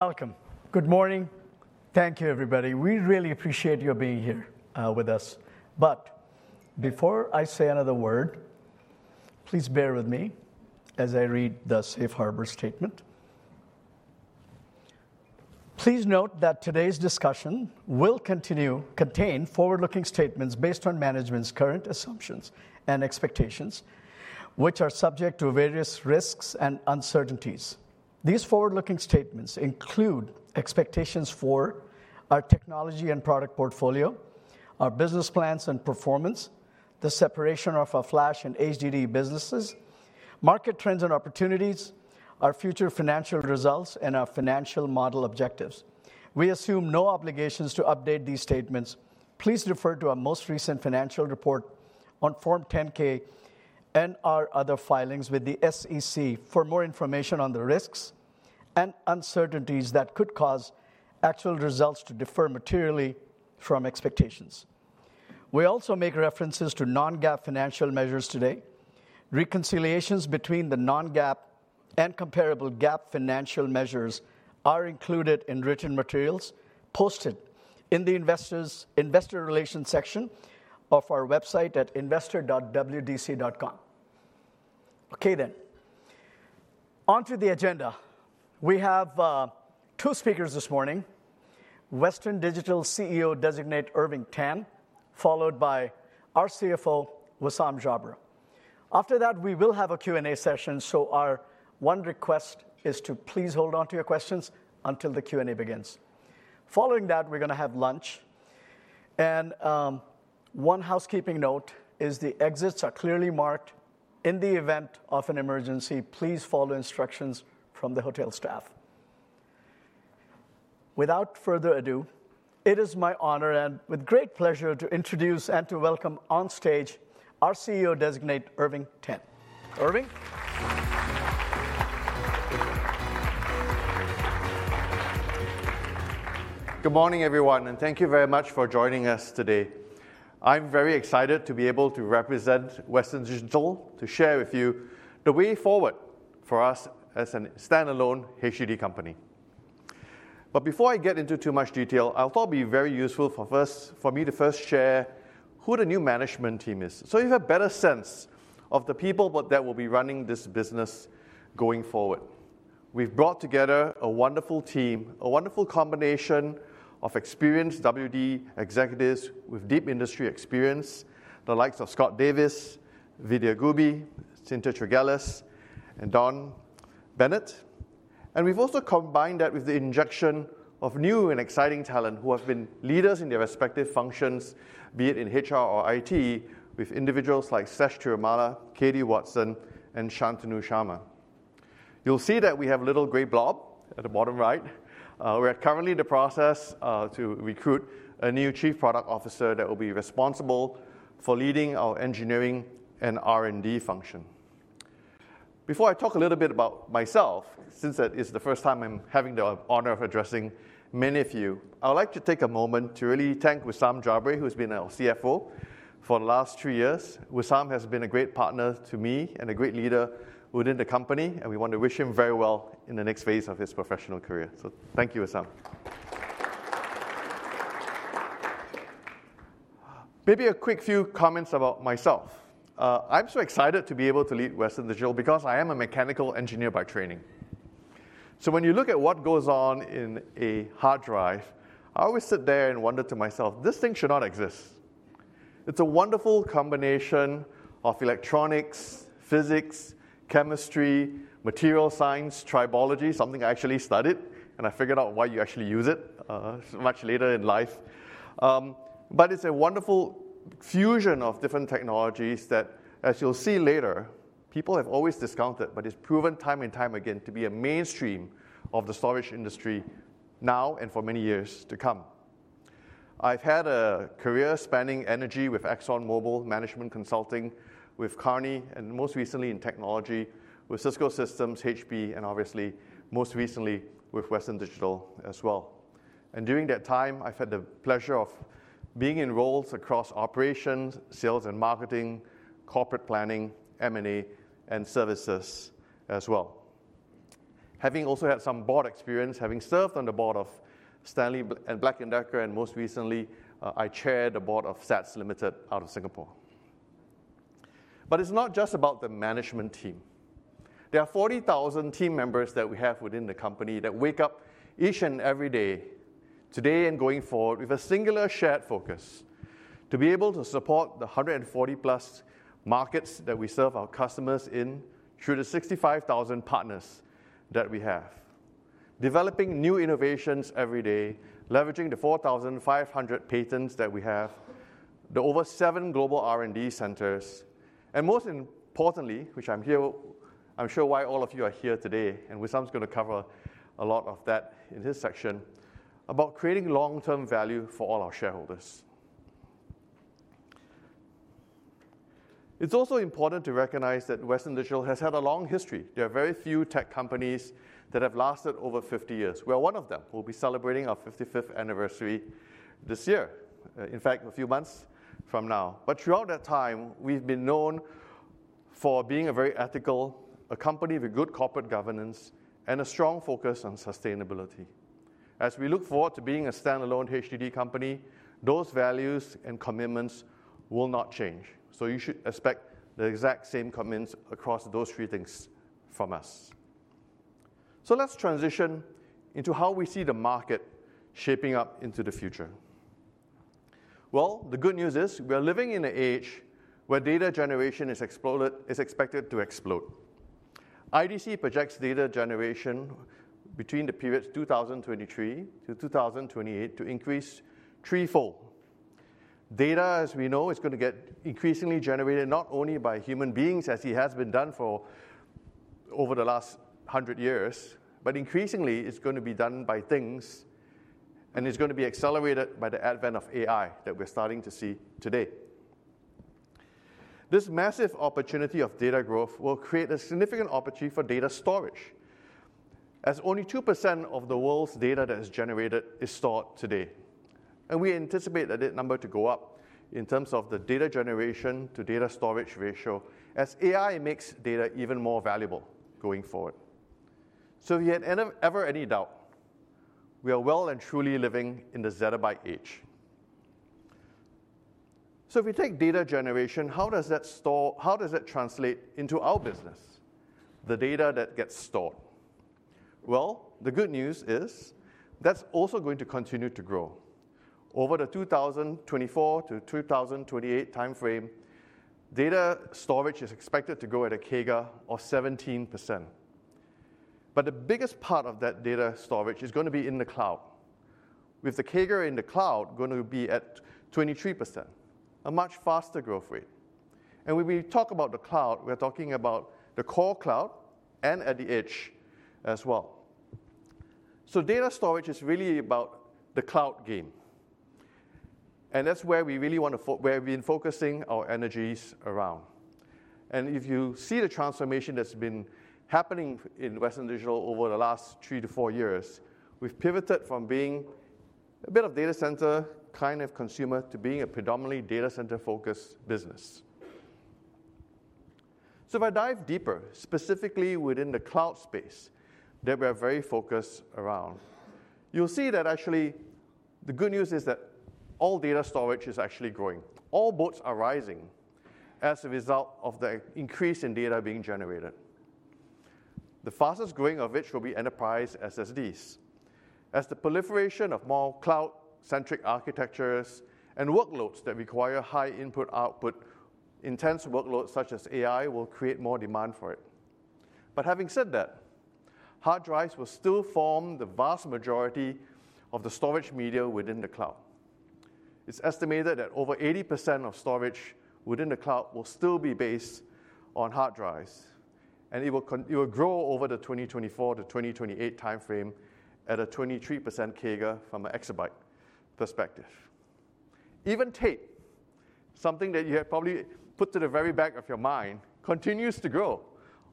Welcome. Good morning. Thank you, everybody. We really appreciate your being here with us. But before I say another word, please bear with me as I read the Safe Harbor Statement. Please note that today's discussion will contain forward-looking statements based on management's current assumptions and expectations, which are subject to various risks and uncertainties. These forward-looking statements include expectations for our technology and product portfolio, our business plans and performance, the separation of our flash and HDD businesses, market trends and opportunities, our future financial results, and our financial model objectives. We assume no obligations to update these statements. Please refer to our most recent financial report on Form 10-K and our other filings with the SEC for more information on the risks and uncertainties that could cause actual results to differ materially from expectations. We also make references to non-GAAP financial measures today. Reconciliations between the non-GAAP and comparable GAAP financial measures are included in written materials posted in the Investor Relations section of our website at investor.wdc.com. Okay, then. On to the agenda. We have two speakers this morning: Western Digital CEO Designate Irving Tan, followed by our CFO, Wissam Jabre. After that, we will have a Q&A session, so our one request is to please hold on to your questions until the Q&A begins. Following that, we're going to have lunch. And one housekeeping note is the exits are clearly marked. In the event of an emergency, please follow instructions from the hotel staff. Without further ado, it is my honor and with great pleasure to introduce and to welcome on stage our CEO Designate, Irving Tan. Irving? Good morning, everyone, and thank you very much for joining us today. I'm very excited to be able to represent Western Digital to share with you the way forward for us as a standalone HDD company. But before I get into too much detail, I thought it would be very useful for me to first share who the new management team is, so you have a better sense of the people that will be running this business going forward. We've brought together a wonderful team, a wonderful combination of experienced WD executives with deep industry experience, the likes of Scott Davis, Vidya Gurbi, Sinta Teguh, and Don Bennett. And we've also combined that with the injection of new and exciting talent who have been leaders in their respective functions, be it in HR or IT, with individuals like Sesh Tirumala, Katie Watson, and Shantanu Sharma. You'll see that we have a little gray blob at the bottom right. We're currently in the process of recruiting a new Chief Product Officer that will be responsible for leading our engineering and R&D function. Before I talk a little bit about myself, since it is the first time I'm having the honor of addressing many of you, I would like to take a moment to really thank Wissam Jabre, who has been our CFO for the last three years. Wissam has been a great partner to me and a great leader within the company, and we want to wish him very well in the next phase of his professional career. So thank you, Wissam. Maybe a quick few comments about myself. I'm so excited to be able to lead Western Digital because I am a mechanical engineer by training. So when you look at what goes on in a hard drive, I always sit there and wonder to myself, this thing should not exist. It's a wonderful combination of electronics, physics, chemistry, material science, tribology, something I actually studied, and I figured out why you actually use it much later in life. But it's a wonderful fusion of different technologies that, as you'll see later, people have always discounted, but it's proven time and time again to be a mainstream of the storage industry now and for many years to come. I've had a career spanning energy with ExxonMobil, management consulting with Kearney, and most recently in technology with Cisco Systems, HP, and obviously, most recently with Western Digital as well. And during that time, I've had the pleasure of being in roles across operations, sales and marketing, corporate planning, M&A, and services as well. Having also had some board experience, having served on the board of Stanley Black & Decker, and most recently, I chaired the board of SATS Limited out of Singapore, but it's not just about the management team. There are 40,000 team members that we have within the company that wake up each and every day, today and going forward, with a singular shared focus to be able to support the 140-plus markets that we serve our customers in through the 65,000 partners that we have. Developing new innovations every day, leveraging the 4,500 patents that we have, the over seven global R&D centers, and most importantly, which I'm sure why all of you are here today, and Wissam's going to cover a lot of that in this section, about creating long-term value for all our shareholders. It's also important to recognize that Western Digital has had a long history. There are very few tech companies that have lasted over 50 years. We are one of them. We'll be celebrating our 55th anniversary this year, in fact, a few months from now. But throughout that time, we've been known for being a very ethical company, with good corporate governance and a strong focus on sustainability. As we look forward to being a standalone HDD company, those values and commitments will not change. So you should expect the exact same commitments across those three things from us. So let's transition into how we see the market shaping up into the future. Well, the good news is we are living in an age where data generation is expected to explode. IDC projects data generation between the periods 2023-2028 to increase threefold. Data, as we know, is going to get increasingly generated not only by human beings, as it has been done for over the last 100 years, but increasingly, it's going to be done by things, and it's going to be accelerated by the advent of AI that we're starting to see today. This massive opportunity of data growth will create a significant opportunity for data storage, as only 2% of the world's data that is generated is stored today. And we anticipate that number to go up in terms of the data generation to data storage ratio as AI makes data even more valuable going forward. So if you had ever any doubt, we are well and truly living in the zettabyte age. So if we take data generation, how does that translate into our business, the data that gets stored? The good news is that's also going to continue to grow. Over the 2024-2028 timeframe, data storage is expected to grow at a CAGR of 17%. But the biggest part of that data storage is going to be in the cloud. With the CAGR in the cloud going to be at 23%, a much faster growth rate. And when we talk about the cloud, we're talking about the core cloud and at the edge as well. So data storage is really about the cloud game. And that's where we really want to focus, where we've been focusing our energies around. And if you see the transformation that's been happening in Western Digital over the last three to four years, we've pivoted from being a bit of data center kind of consumer to being a predominantly data center-focused business. If I dive deeper, specifically within the cloud space that we are very focused around, you'll see that actually the good news is that all data storage is actually growing. All boats are rising as a result of the increase in data being generated. The fastest growing of which will be enterprise SSDs, as the proliferation of more cloud-centric architectures and workloads that require high input/output, intense workloads such as AI will create more demand for it. But having said that, hard drives will still form the vast majority of the storage media within the cloud. It's estimated that over 80% of storage within the cloud will still be based on hard drives, and it will grow over the 2024-2028 timeframe at a 23% CAGR from an exabyte perspective. Even tape, something that you have probably put to the very back of your mind, continues to grow,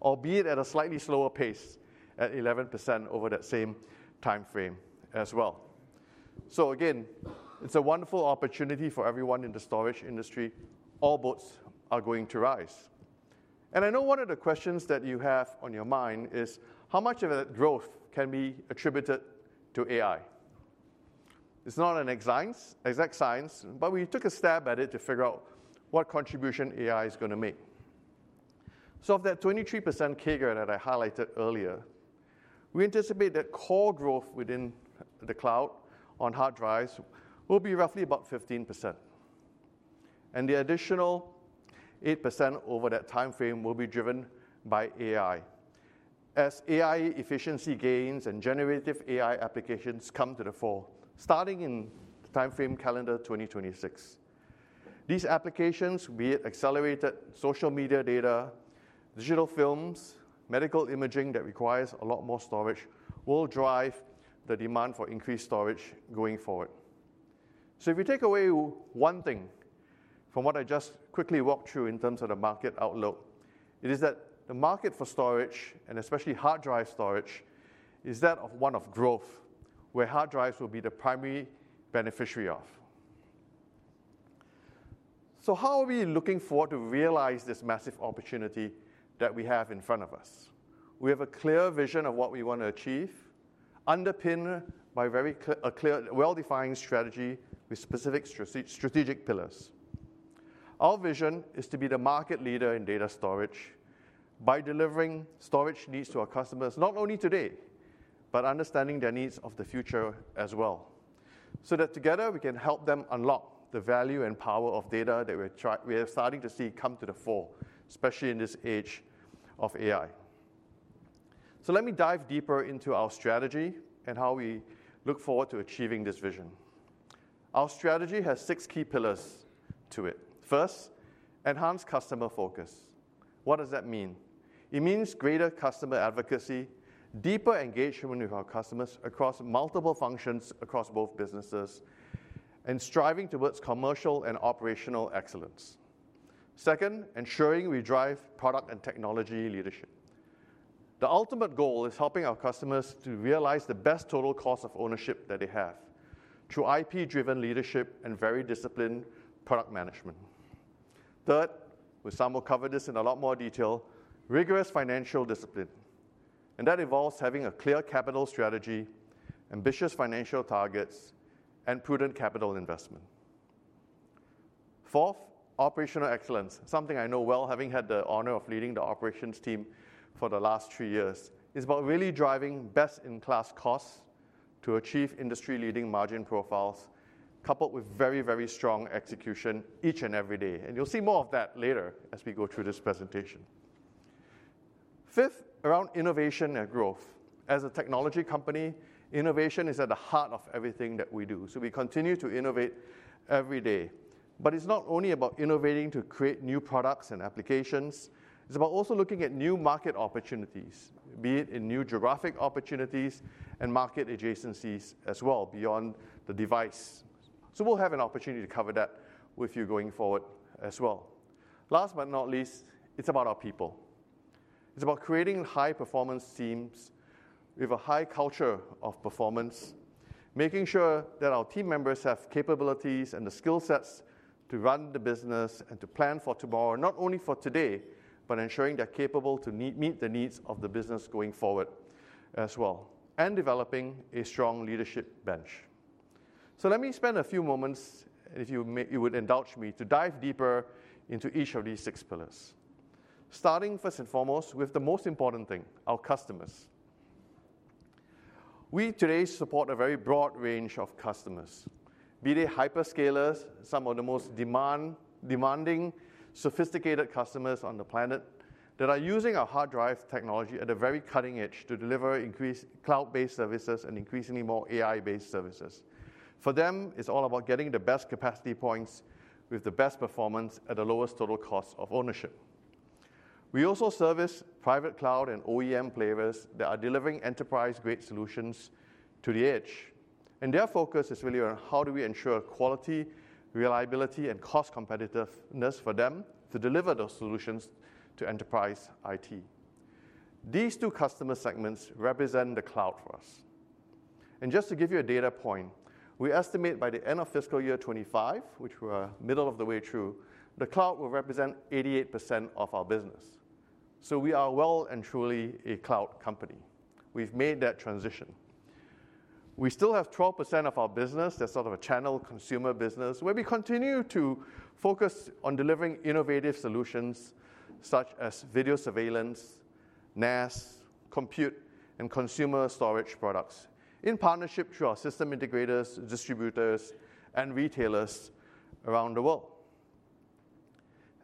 albeit at a slightly slower pace at 11% over that same timeframe as well. So again, it's a wonderful opportunity for everyone in the storage industry. All boats are going to rise. And I know one of the questions that you have on your mind is how much of that growth can be attributed to AI. It's not an exact science, but we took a stab at it to figure out what contribution AI is going to make. So of that 23% CAGR that I highlighted earlier, we anticipate that core growth within the cloud on hard drives will be roughly about 15%. And the additional 8% over that timeframe will be driven by AI, as AI efficiency gains and generative AI applications come to the fore starting in timeframe calendar 2026. These applications, be it accelerated social media data, digital films, medical imaging that requires a lot more storage, will drive the demand for increased storage going forward. So if you take away one thing from what I just quickly walked through in terms of the market outlook, it is that the market for storage, and especially hard drive storage, is that of one of growth, where hard drives will be the primary beneficiary of. So how are we looking forward to realize this massive opportunity that we have in front of us? We have a clear vision of what we want to achieve, underpinned by a very well-defined strategy with specific strategic pillars. Our vision is to be the market leader in data storage by delivering storage needs to our customers, not only today, but understanding their needs of the future as well, so that together we can help them unlock the value and power of data that we are starting to see come to the fore, especially in this age of AI. So let me dive deeper into our strategy and how we look forward to achieving this vision. Our strategy has six key pillars to it. First, enhanced customer focus. What does that mean? It means greater customer advocacy, deeper engagement with our customers across multiple functions across both businesses, and striving towards commercial and operational excellence. Second, ensuring we drive product and technology leadership. The ultimate goal is helping our customers to realize the best total cost of ownership that they have through IP-driven leadership and very disciplined product management. Third, Wissam will cover this in a lot more detail, rigorous financial discipline. And that involves having a clear capital strategy, ambitious financial targets, and prudent capital investment. Fourth, operational excellence, something I know well, having had the honor of leading the operations team for the last three years, is about really driving best-in-class costs to achieve industry-leading margin profiles, coupled with very, very strong execution each and every day. And you'll see more of that later as we go through this presentation. Fifth, around innovation and growth. As a technology company, innovation is at the heart of everything that we do. So we continue to innovate every day. But it's not only about innovating to create new products and applications. It's about also looking at new market opportunities, be it in new geographic opportunities and market adjacencies as well, beyond the device. So we'll have an opportunity to cover that with you going forward as well. Last but not least, it's about our people. It's about creating high-performance teams with a high culture of performance, making sure that our team members have capabilities and the skill sets to run the business and to plan for tomorrow, not only for today, but ensuring they're capable to meet the needs of the business going forward as well, and developing a strong leadership bench. So let me spend a few moments, if you would indulge me, to dive deeper into each of these six pillars, starting first and foremost with the most important thing, our customers. We today support a very broad range of customers, be they hyperscalers, some of the most demanding, sophisticated customers on the planet that are using our hard drive technology at a very cutting edge to deliver cloud-based services and increasingly more AI-based services. For them, it's all about getting the best capacity points with the best performance at the lowest total cost of ownership. We also service private cloud and OEM players that are delivering enterprise-grade solutions to the edge. And their focus is really on how do we ensure quality, reliability, and cost competitiveness for them to deliver those solutions to enterprise IT. These two customer segments represent the cloud for us. And just to give you a data point, we estimate by the end of fiscal year 2025, which we're middle of the way through, the cloud will represent 88% of our business. So we are well and truly a cloud company. We've made that transition. We still have 12% of our business. That's sort of a channel consumer business where we continue to focus on delivering innovative solutions such as video surveillance, NAS, compute, and consumer storage products in partnership through our system integrators, distributors, and retailers around the world.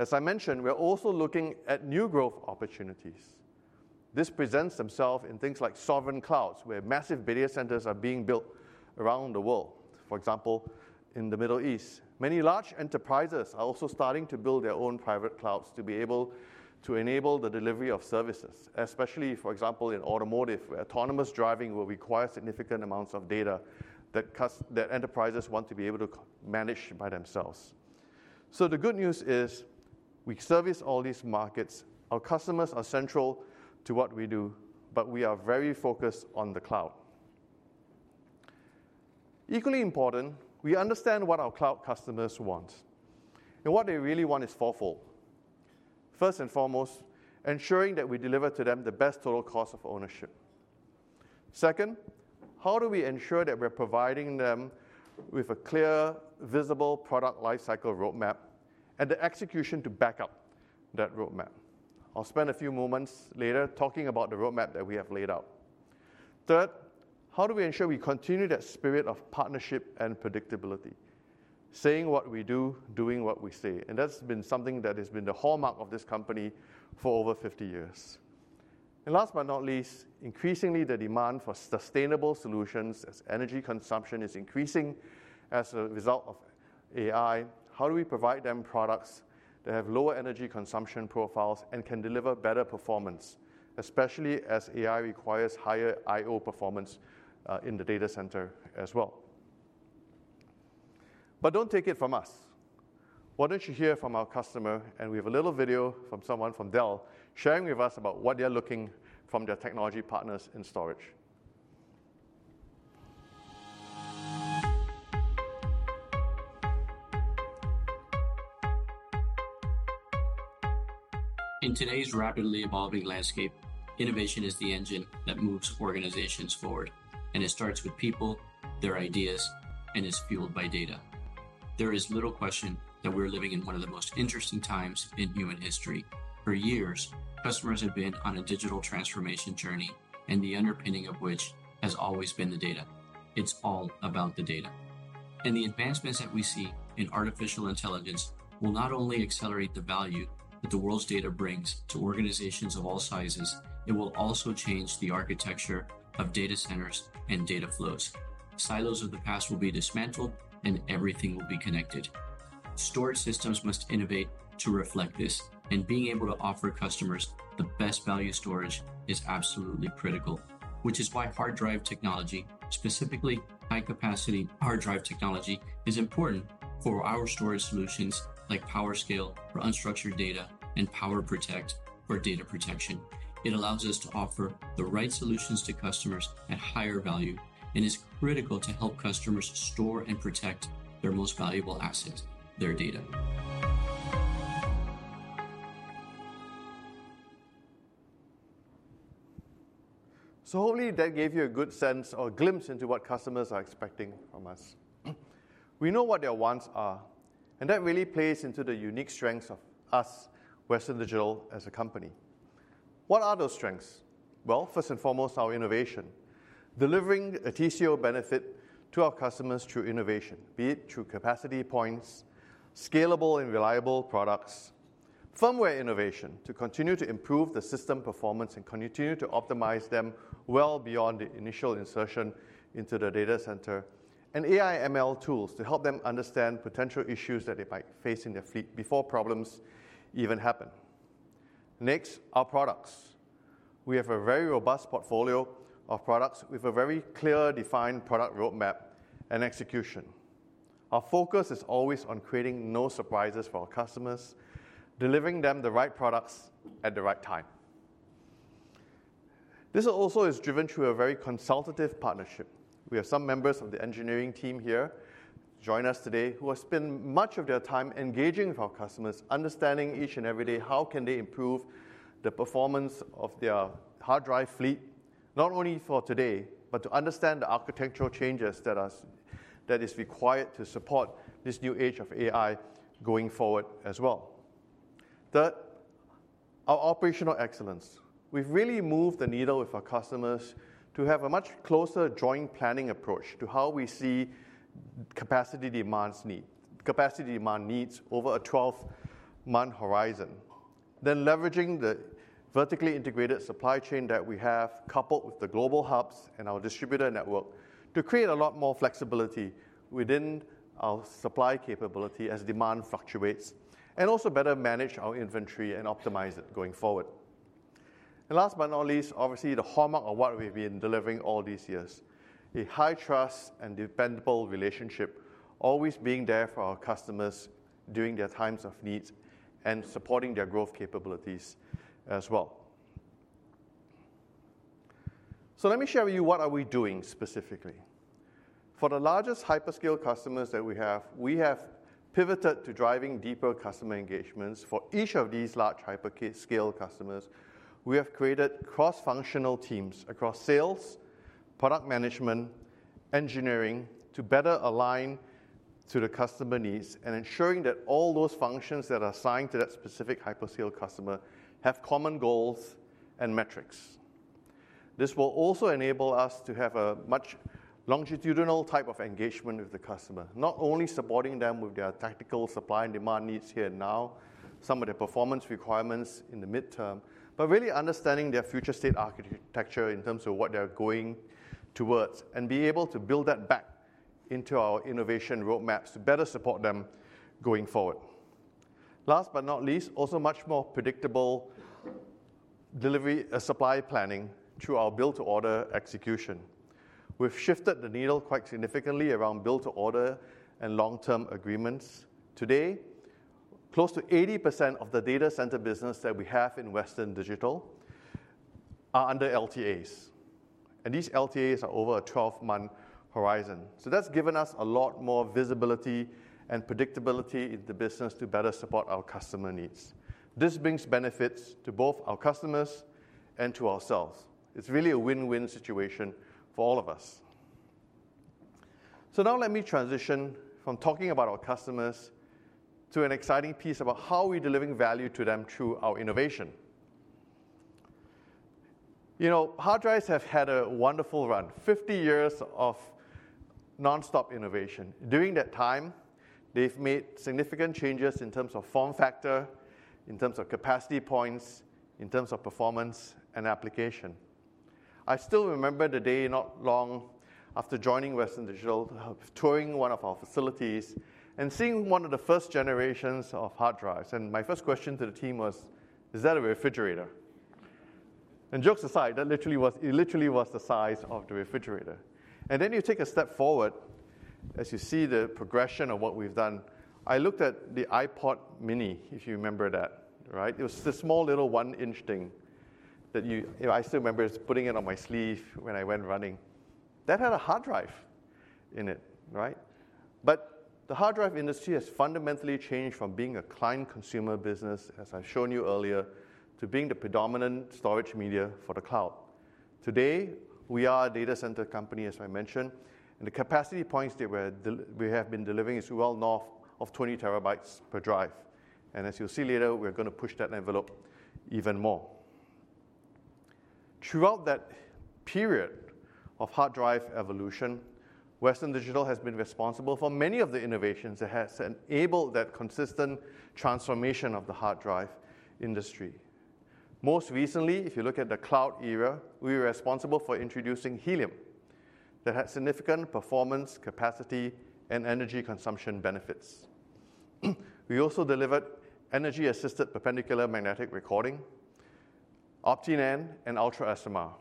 As I mentioned, we're also looking at new growth opportunities. This presents themselves in things like sovereign clouds, where massive data centers are being built around the world. For example, in the Middle East, many large enterprises are also starting to build their own private clouds to be able to enable the delivery of services, especially, for example, in automotive, where autonomous driving will require significant amounts of data that enterprises want to be able to manage by themselves. So the good news is we service all these markets. Our customers are central to what we do, but we are very focused on the cloud. Equally important, we understand what our cloud customers want. And what they really want is four-fold. First and foremost, ensuring that we deliver to them the best total cost of ownership. Second, how do we ensure that we're providing them with a clear, visible product lifecycle roadmap and the execution to back up that roadmap? I'll spend a few moments later talking about the roadmap that we have laid out. Third, how do we ensure we continue that spirit of partnership and predictability, saying what we do, doing what we say? And that's been something that has been the hallmark of this company for over 50 years. And last but not least, increasingly the demand for sustainable solutions as energy consumption is increasing as a result of AI, how do we provide them products that have lower energy consumption profiles and can deliver better performance, especially as AI requires higher I/O performance in the data center as well? But don't take it from us. Why don't you hear from our customer? And we have a little video from someone from Dell sharing with us about what they're looking for from their technology partners in storage. In today's rapidly evolving landscape, innovation is the engine that moves organizations forward. And it starts with people, their ideas, and it's fueled by data. There is little question that we're living in one of the most interesting times in human history. For years, customers have been on a digital transformation journey, and the underpinning of which has always been the data. It's all about the data. And the advancements that we see in artificial intelligence will not only accelerate the value that the world's data brings to organizations of all sizes, it will also change the architecture of data centers and data flows. Silos of the past will be dismantled, and everything will be connected. Storage systems must innovate to reflect this. And being able to offer customers the best value storage is absolutely critical, which is why hard drive technology, specifically high-capacity hard drive technology, is important for our storage solutions like PowerScale for unstructured data and PowerProtect for data protection. It allows us to offer the right solutions to customers at higher value and is critical to help customers store and protect their most valuable assets, their data. So hopefully that gave you a good sense or a glimpse into what customers are expecting from us. We know what their wants are, and that really plays into the unique strengths of us, Western Digital as a company. What are those strengths? Well, first and foremost, our innovation, delivering a TCO benefit to our customers through innovation, be it through capacity points, scalable and reliable products, firmware innovation to continue to improve the system performance and continue to optimize them well beyond the initial insertion into the data center, and AI/ML tools to help them understand potential issues that they might face in their fleet before problems even happen. Next, our products. We have a very robust portfolio of products with a very clear defined product roadmap and execution. Our focus is always on creating no surprises for our customers, delivering them the right products at the right time. This also is driven through a very consultative partnership. We have some members of the engineering team here to join us today who have spent much of their time engaging with our customers, understanding each and every day how they can improve the performance of their hard drive fleet, not only for today, but to understand the architectural changes that are required to support this new age of AI going forward as well. Third, our operational excellence. We've really moved the needle with our customers to have a much closer joint planning approach to how we see capacity demand needs over a 12-month horizon, then leveraging the vertically integrated supply chain that we have coupled with the global hubs and our distributor network to create a lot more flexibility within our supply capability as demand fluctuates and also better manage our inventory and optimize it going forward. Last but not least, obviously the hallmark of what we've been delivering all these years, a high trust and dependable relationship, always being there for our customers during their times of needs and supporting their growth capabilities as well. Let me share with you what we are doing specifically. For the largest hyperscale customers that we have, we have pivoted to driving deeper customer engagements for each of these large hyperscale customers. We have created cross-functional teams across sales, product management, engineering to better align to the customer needs and ensuring that all those functions that are assigned to that specific hyperscale customer have common goals and metrics. This will also enable us to have a much longitudinal type of engagement with the customer, not only supporting them with their technical supply and demand needs here and now, some of their performance requirements in the midterm, but really understanding their future state architecture in terms of what they're going towards and be able to build that back into our innovation roadmaps to better support them going forward. Last but not least, also much more predictable delivery supply planning through our build-to-order execution. We've shifted the needle quite significantly around build-to-order and long-term agreements. Today, close to 80% of the data center business that we have in Western Digital are under LTAs. And these LTAs are over a 12-month horizon. So that's given us a lot more visibility and predictability in the business to better support our customer needs. This brings benefits to both our customers and to ourselves. It's really a win-win situation for all of us. So now let me transition from talking about our customers to an exciting piece about how we're delivering value to them through our innovation. Hard drives have had a wonderful run, 50 years of nonstop innovation. During that time, they've made significant changes in terms of form factor, in terms of capacity points, in terms of performance and application. I still remember the day not long after joining Western Digital, touring one of our facilities and seeing one of the first generations of hard drives. And my first question to the team was, "Is that a refrigerator?" And jokes aside, that literally was the size of the refrigerator. And then you take a step forward as you see the progression of what we've done. I looked at the iPod mini, if you remember that, right? It was this small little one-inch thing that I still remember putting it on my sleeve when I went running. That had a hard drive in it, right? But the hard drive industry has fundamentally changed from being a client consumer business, as I've shown you earlier, to being the predominant storage media for the cloud. Today, we are a data center company, as I mentioned, and the capacity points that we have been delivering is well north of 20 terabytes per drive. And as you'll see later, we're going to push that envelope even more. Throughout that period of hard drive evolution, Western Digital has been responsible for many of the innovations that have enabled that consistent transformation of the hard drive industry. Most recently, if you look at the cloud era, we were responsible for introducing helium that had significant performance, capacity, and energy consumption benefits. We also delivered energy-assisted perpendicular magnetic recording, OptiNAND, and UltraSMR,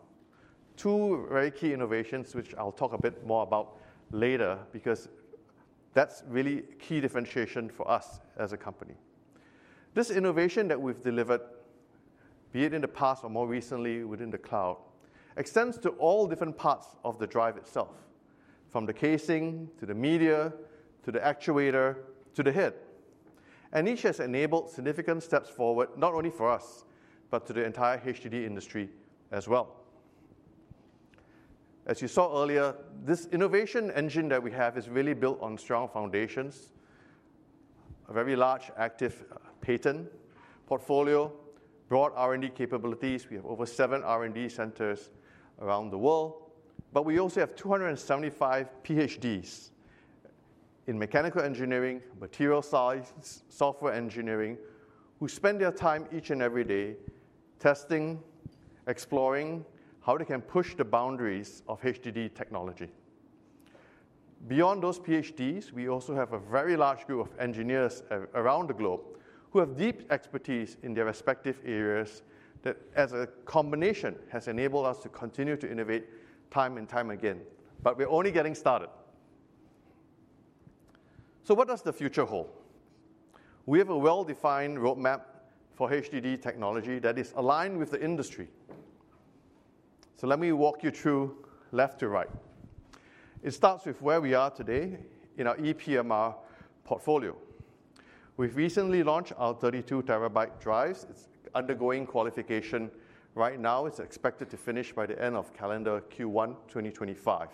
two very key innovations which I'll talk a bit more about later because that's really key differentiation for us as a company. This innovation that we've delivered, be it in the past or more recently within the cloud, extends to all different parts of the drive itself, from the casing to the media to the actuator to the head, and each has enabled significant steps forward, not only for us, but to the entire HDD industry as well. As you saw earlier, this innovation engine that we have is really built on strong foundations, a very large active patent portfolio, broad R&D capabilities. We have over seven R&D centers around the world, but we also have 275 PhDs in mechanical engineering, materials science, software engineering, who spend their time each and every day testing, exploring how they can push the boundaries of HDD technology. Beyond those PhDs, we also have a very large group of engineers around the globe who have deep expertise in their respective areas that, as a combination, has enabled us to continue to innovate time and time again. But we're only getting started. So what does the future hold? We have a well-defined roadmap for HDD technology that is aligned with the industry. So let me walk you through left to right. It starts with where we are today in our ePMR portfolio. We've recently launched our 32-terabyte drives. It's undergoing qualification right now. It's expected to finish by the end of calendar Q1 2025.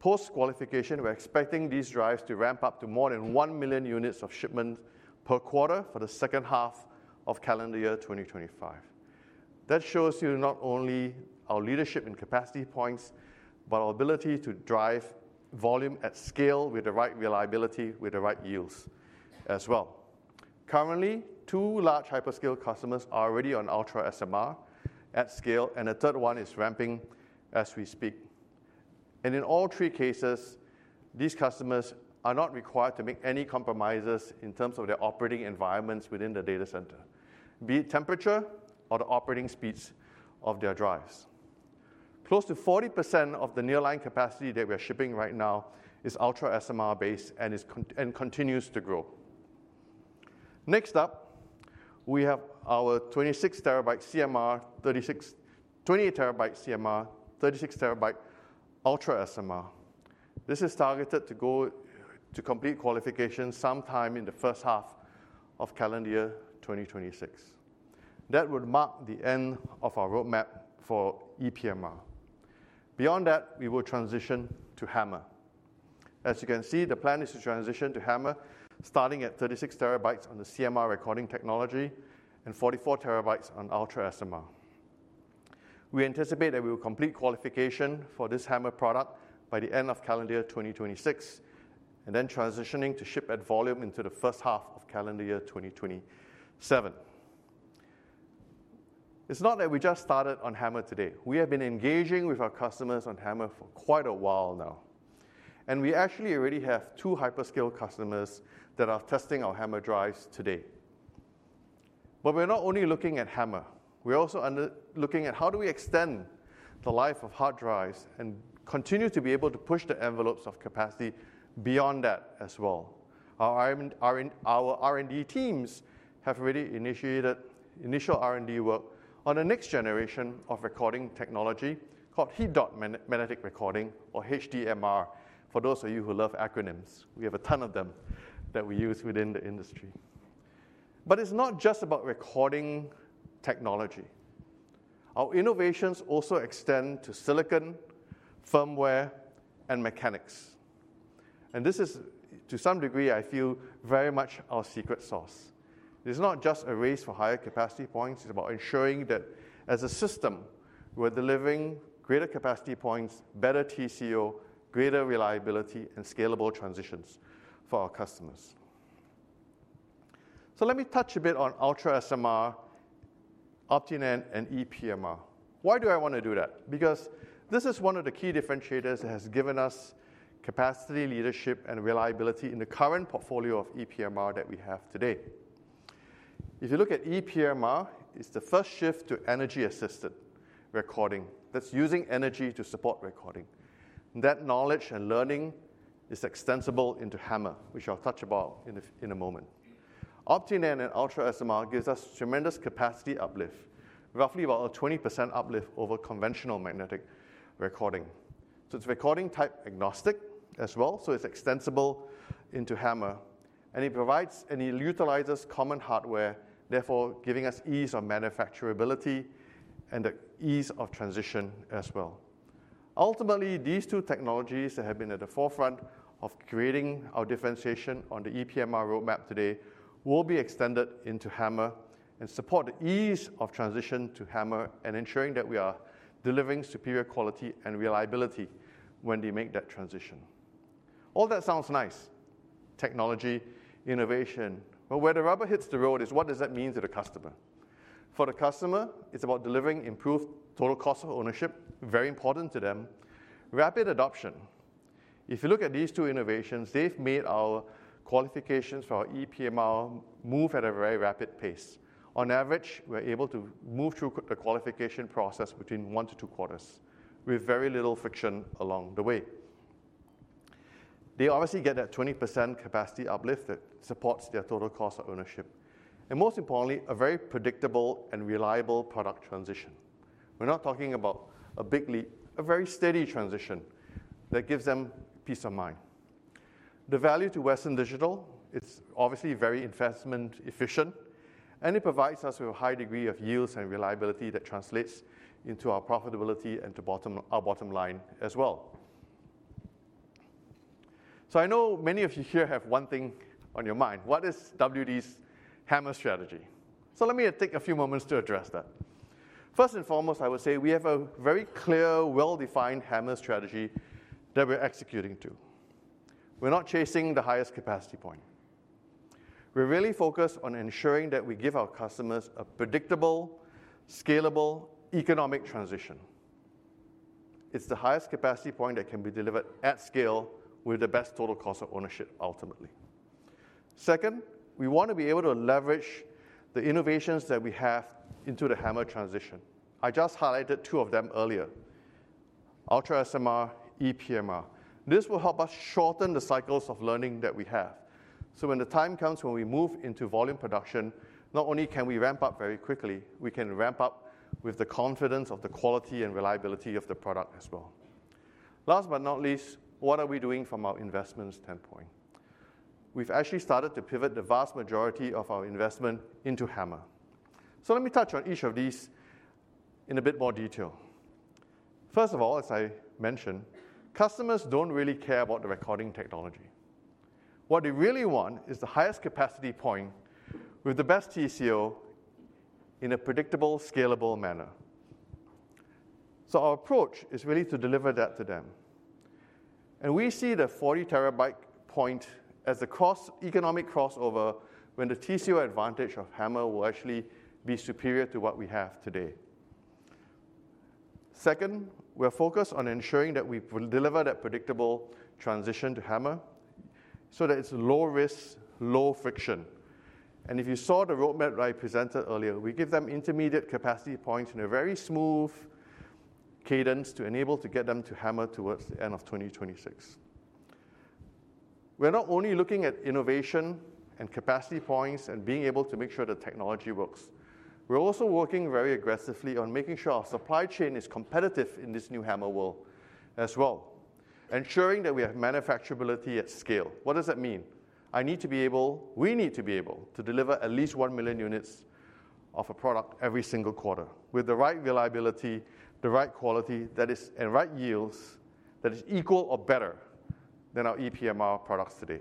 Post-qualification, we're expecting these drives to ramp up to more than one million units of shipment per quarter for the second half of calendar year 2025. That shows you not only our leadership in capacity points, but our ability to drive volume at scale with the right reliability, with the right yields as well. Currently, two large hyperscale customers are already on UltraSMR at scale, and a third one is ramping as we speak. And in all three cases, these customers are not required to make any compromises in terms of their operating environments within the data center, be it temperature or the operating speeds of their drives. Close to 40% of the nearline capacity that we are shipping right now is UltraSMR-based and continues to grow. Next up, we have our 26 terabyte CMR, 28 terabyte CMR, 36 terabyte UltraSMR. This is targeted to go to complete qualification sometime in the first half of calendar year 2026. That would mark the end of our roadmap for ePMR. Beyond that, we will transition to HAMR. As you can see, the plan is to transition to HAMR starting at 36 terabytes on the CMR recording technology and 44 terabytes on UltraSMR. We anticipate that we will complete qualification for this HAMR product by the end of calendar year 2026 and then transitioning to ship at volume into the first half of calendar year 2027. It's not that we just started on HAMR today. We have been engaging with our customers on HAMR for quite a while now. And we actually already have two hyperscale customers that are testing our HAMR drives today. But we're not only looking at HAMR. We're also looking at how do we extend the life of hard drives and continue to be able to push the envelopes of capacity beyond that as well. Our R&D teams have already initiated initial R&D work on the next generation of recording technology called heated-dot magnetic recording or HDMR, for those of you who love acronyms. We have a ton of them that we use within the industry. But it's not just about recording technology. Our innovations also extend to silicon, firmware, and mechanics. And this is, to some degree, I feel very much our secret sauce. It's not just a race for higher capacity points. It's about ensuring that as a system, we're delivering greater capacity points, better TCO, greater reliability, and scalable transitions for our customers. So let me touch a bit on UltraSMR, OptiNAND, and ePMR. Why do I want to do that? Because this is one of the key differentiators that has given us capacity leadership and reliability in the current portfolio of ePMR that we have today. If you look at ePMR, it's the first shift to energy-assisted recording that's using energy to support recording. That knowledge and learning is extensible into HAMR, which I'll touch about in a moment. OptiNAND and UltraSMR gives us tremendous capacity uplift, roughly about a 20% uplift over conventional magnetic recording. So it's recording type agnostic as well, so it's extensible into HAMR. And it utilizes common hardware, therefore giving us ease of manufacturability and the ease of transition as well. Ultimately, these two technologies that have been at the forefront of creating our differentiation on the ePMR roadmap today will be extended into HAMR and support the ease of transition to HAMR and ensuring that we are delivering superior quality and reliability when they make that transition. All that sounds nice, technology, innovation, but where the rubber hits the road is what does that mean to the customer? For the customer, it's about delivering improved total cost of ownership, very important to them, rapid adoption. If you look at these two innovations, they've made our qualifications for our ePMR move at a very rapid pace. On average, we're able to move through the qualification process between one to two quarters with very little friction along the way. They obviously get that 20% capacity uplift that supports their total cost of ownership. And most importantly, a very predictable and reliable product transition. We're not talking about a big leap, a very steady transition that gives them peace of mind. The value to Western Digital, it's obviously very investment efficient, and it provides us with a high degree of yields and reliability that translates into our profitability and to our bottom line as well. So I know many of you here have one thing on your mind. What is WD's HAMR strategy? So let me take a few moments to address that. First and foremost, I would say we have a very clear, well-defined HAMR strategy that we're executing to. We're not chasing the highest capacity point. We're really focused on ensuring that we give our customers a predictable, scalable, economic transition. It's the highest capacity point that can be delivered at scale with the best total cost of ownership ultimately. Second, we want to be able to leverage the innovations that we have into the HAMR transition. I just highlighted two of them earlier, UltraSMR, ePMR. This will help us shorten the cycles of learning that we have. So when the time comes when we move into volume production, not only can we ramp up very quickly, we can ramp up with the confidence of the quality and reliability of the product as well. Last but not least, what are we doing from our investment standpoint? We've actually started to pivot the vast majority of our investment into HAMR. So let me touch on each of these in a bit more detail. First of all, as I mentioned, customers don't really care about the recording technology. What they really want is the highest capacity point with the best TCO in a predictable, scalable manner. So our approach is really to deliver that to them. And we see the 40 terabyte point as the economic crossover when the TCO advantage of HAMR will actually be superior to what we have today. Second, we're focused on ensuring that we deliver that predictable transition to HAMR so that it's low risk, low friction. And if you saw the roadmap that I presented earlier, we give them intermediate capacity points in a very smooth cadence to enable to get them to HAMR towards the end of 2026. We're not only looking at innovation and capacity points and being able to make sure the technology works. We're also working very aggressively on making sure our supply chain is competitive in this new HAMR world as well, ensuring that we have manufacturability at scale. What does that mean? I need to be able, we need to be able to deliver at least one million units of a product every single quarter with the right reliability, the right quality, and right yields that is equal or better than our ePMR products today.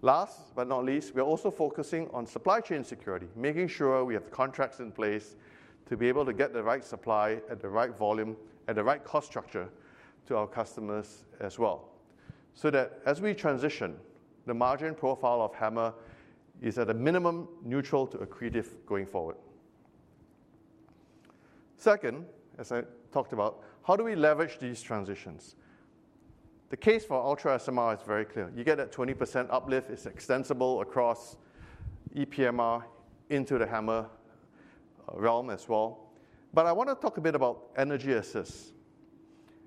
Last but not least, we're also focusing on supply chain security, making sure we have the contracts in place to be able to get the right supply at the right volume and the right cost structure to our customers as well so that as we transition, the margin profile of HAMR is at a minimum neutral to accretive going forward. Second, as I talked about, how do we leverage these transitions? The case for UltraSMR is very clear. You get that 20% uplift. It's extensible across ePMR into the HAMR realm as well. But I want to talk a bit about energy assists.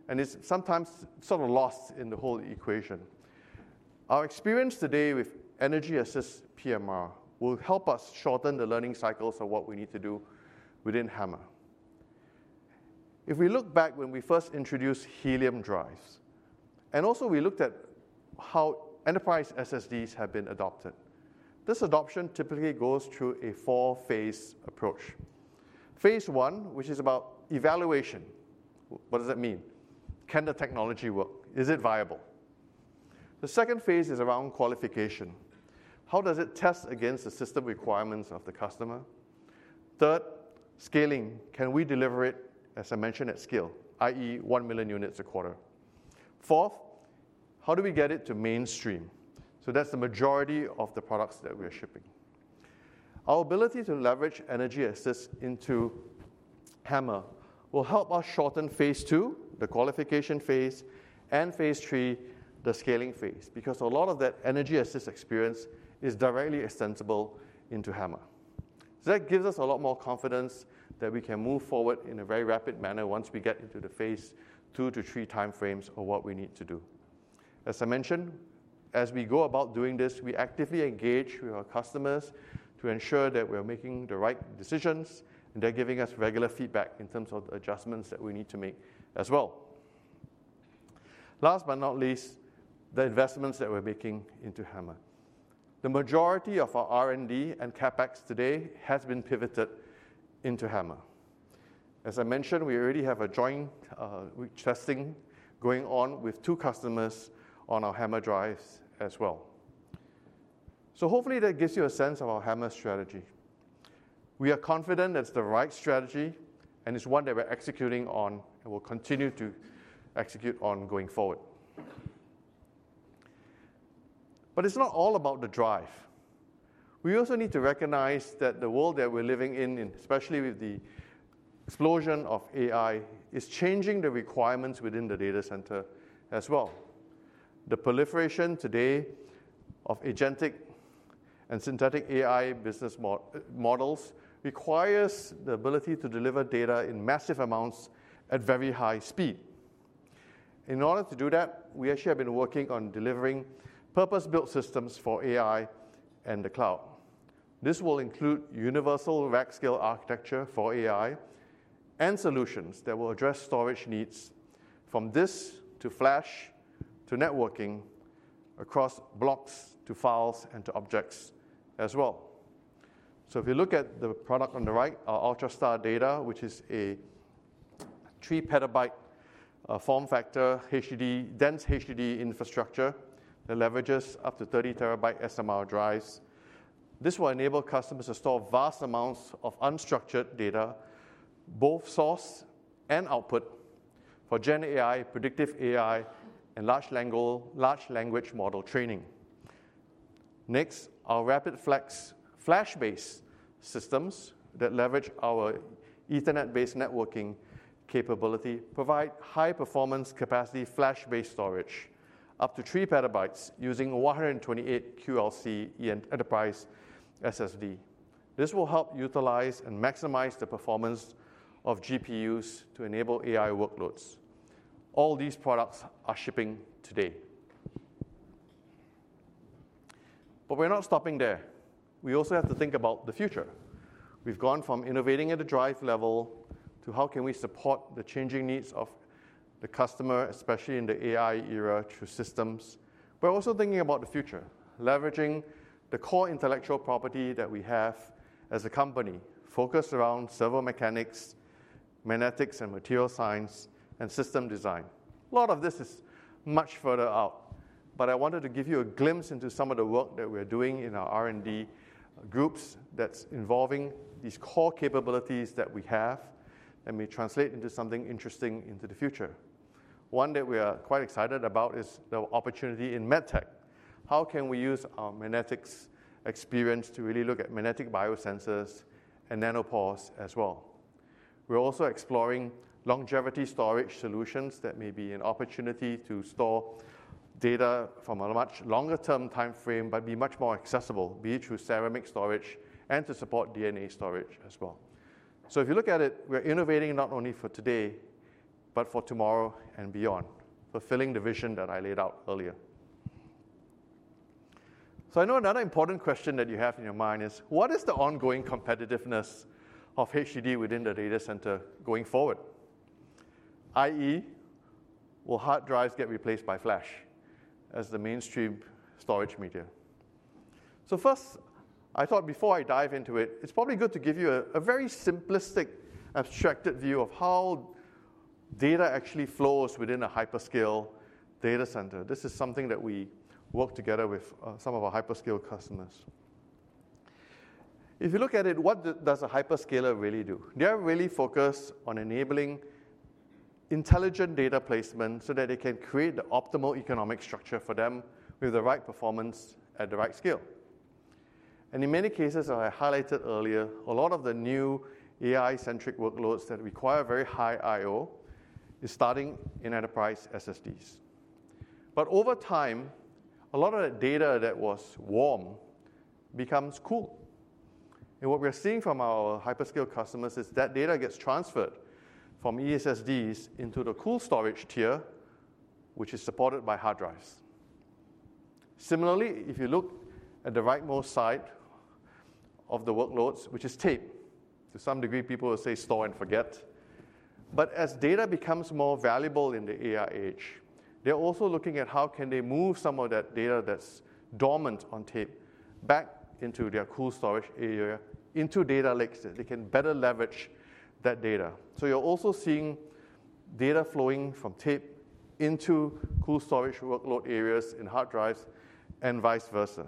It's sometimes sort of lost in the whole equation. Our experience today with energy assist PMR will help us shorten the learning cycles of what we need to do within HAMR. If we look back when we first introduced helium drives, and also we looked at how enterprise SSDs have been adopted, this adoption typically goes through a four-phase approach. Phase one, which is about evaluation. What does that mean? Can the technology work? Is it viable? The second phase is around qualification. How does it test against the system requirements of the customer? Third, scaling. Can we deliver it, as I mentioned, at scale, i.e., one million units a quarter? Fourth, how do we get it to mainstream? So that's the majority of the products that we are shipping. Our ability to leverage energy assist into HAMR will help us shorten phase two, the qualification phase, and phase three, the scaling phase, because a lot of that energy assist experience is directly extensible into HAMR. So that gives us a lot more confidence that we can move forward in a very rapid manner once we get into the phase two to three timeframes of what we need to do. As I mentioned, as we go about doing this, we actively engage with our customers to ensure that we are making the right decisions, and they're giving us regular feedback in terms of the adjustments that we need to make as well. Last but not least, the investments that we're making into HAMR. The majority of our R&D and CapEx today has been pivoted into HAMR. As I mentioned, we already have a joint testing going on with two customers on our HAMR drives as well. So hopefully that gives you a sense of our HAMR strategy. We are confident that it's the right strategy, and it's one that we're executing on and will continue to execute on going forward. But it's not all about the drive. We also need to recognize that the world that we're living in, especially with the explosion of AI, is changing the requirements within the data center as well. The proliferation today of agentic and synthetic AI business models requires the ability to deliver data in massive amounts at very high speed. In order to do that, we actually have been working on delivering purpose-built systems for AI and the cloud. This will include universal rack scale architecture for AI and solutions that will address storage needs from disk to flash to networking across blocks to files and to objects as well. So if you look at the product on the right, our Ultrastar Data102, which is a three-petabyte form factor dense HDD infrastructure that leverages up to 30-terabyte SMR drives. This will enable customers to store vast amounts of unstructured data, both source and output, for GenAI, predictive AI, and large language model training. Next, our RapidFlex flash-based systems that leverage our Ethernet-based networking capability provide high-performance capacity flash-based storage up to three petabytes using a 128 TB QLC enterprise SSD. This will help utilize and maximize the performance of GPUs to enable AI workloads. All these products are shipping today. But we're not stopping there. We also have to think about the future. We've gone from innovating at the drive level to how can we support the changing needs of the customer, especially in the AI era, through systems. We're also thinking about the future, leveraging the core intellectual property that we have as a company focused around servo mechanics, magnetics, and material science and system design. A lot of this is much further out, but I wanted to give you a glimpse into some of the work that we're doing in our R&D groups that's involving these core capabilities that we have and may translate into something interesting into the future. One that we are quite excited about is the opportunity in medtech. How can we use our magnetics experience to really look at magnetic biosensors and nanopores as well? We're also exploring longevity storage solutions that may be an opportunity to store data from a much longer-term timeframe, but be much more accessible, be it through ceramic storage and to support DNA storage as well. So if you look at it, we're innovating not only for today, but for tomorrow and beyond, fulfilling the vision that I laid out earlier. So I know another important question that you have in your mind is, what is the ongoing competitiveness of HDD within the data center going forward? I.e., will hard drives get replaced by flash as the mainstream storage media? So first, I thought before I dive into it, it's probably good to give you a very simplistic, abstracted view of how data actually flows within a hyperscale data center. This is something that we work together with some of our hyperscale customers. If you look at it, what does a hyperscaler really do? They are really focused on enabling intelligent data placement so that they can create the optimal economic structure for them with the right performance at the right scale. And in many cases, as I highlighted earlier, a lot of the new AI-centric workloads that require very high IO is starting in enterprise SSDs. But over time, a lot of the data that was warm becomes cool. And what we're seeing from our hyperscale customers is that data gets transferred from eSSDs into the cool storage tier, which is supported by hard drives. Similarly, if you look at the rightmost side of the workloads, which is tape, to some degree, people will say store and forget. But as data becomes more valuable in the AI age, they're also looking at how can they move some of that data that's dormant on tape back into their cold storage area, into data lakes that they can better leverage that data. So you're also seeing data flowing from tape into cold storage workload areas in hard drives and vice versa.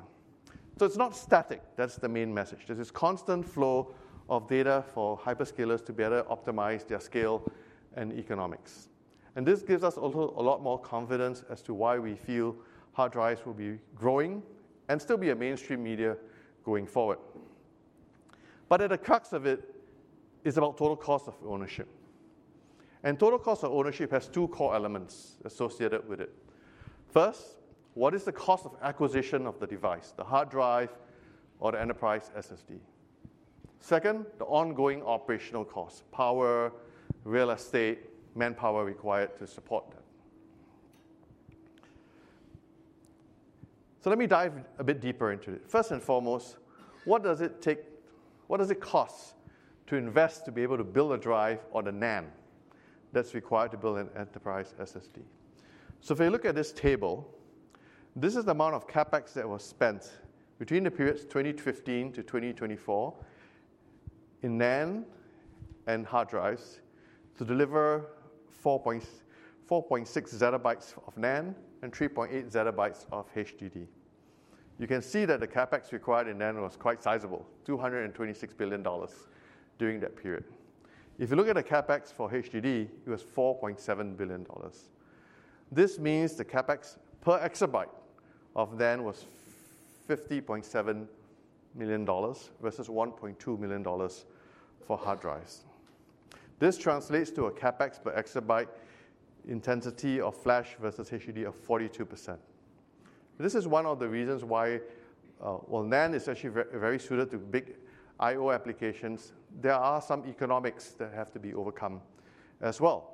So it's not static. That's the main message. There's this constant flow of data for hyperscalers to better optimize their scale and economics. And this gives us a lot more confidence as to why we feel hard drives will be growing and still be a mainstream media going forward. But at the crux of it is about total cost of ownership. And total cost of ownership has two core elements associated with it. First, what is the cost of acquisition of the device, the hard drive or the enterprise SSD? Second, the ongoing operational cost, power, real estate, manpower required to support that. So let me dive a bit deeper into it. First and foremost, what does it take? What does it cost to invest to be able to build a drive or the NAND that's required to build an enterprise SSD? So if you look at this table, this is the amount of CapEx that was spent between the periods 2015 to 2024 in NAND and hard drives to deliver 4.6 zettabytes of NAND and 3.8 zettabytes of HDD. You can see that the CapEx required in NAND was quite sizable, $226 billion during that period. If you look at the CapEx for HDD, it was $4.7 billion. This means the CapEx per exabyte of NAND was $50.7 million versus $1.2 million for hard drives. This translates to a CapEx per exabyte intensity of flash versus HDD of 42%. This is one of the reasons why, while NAND is actually very suited to big IO applications, there are some economics that have to be overcome as well,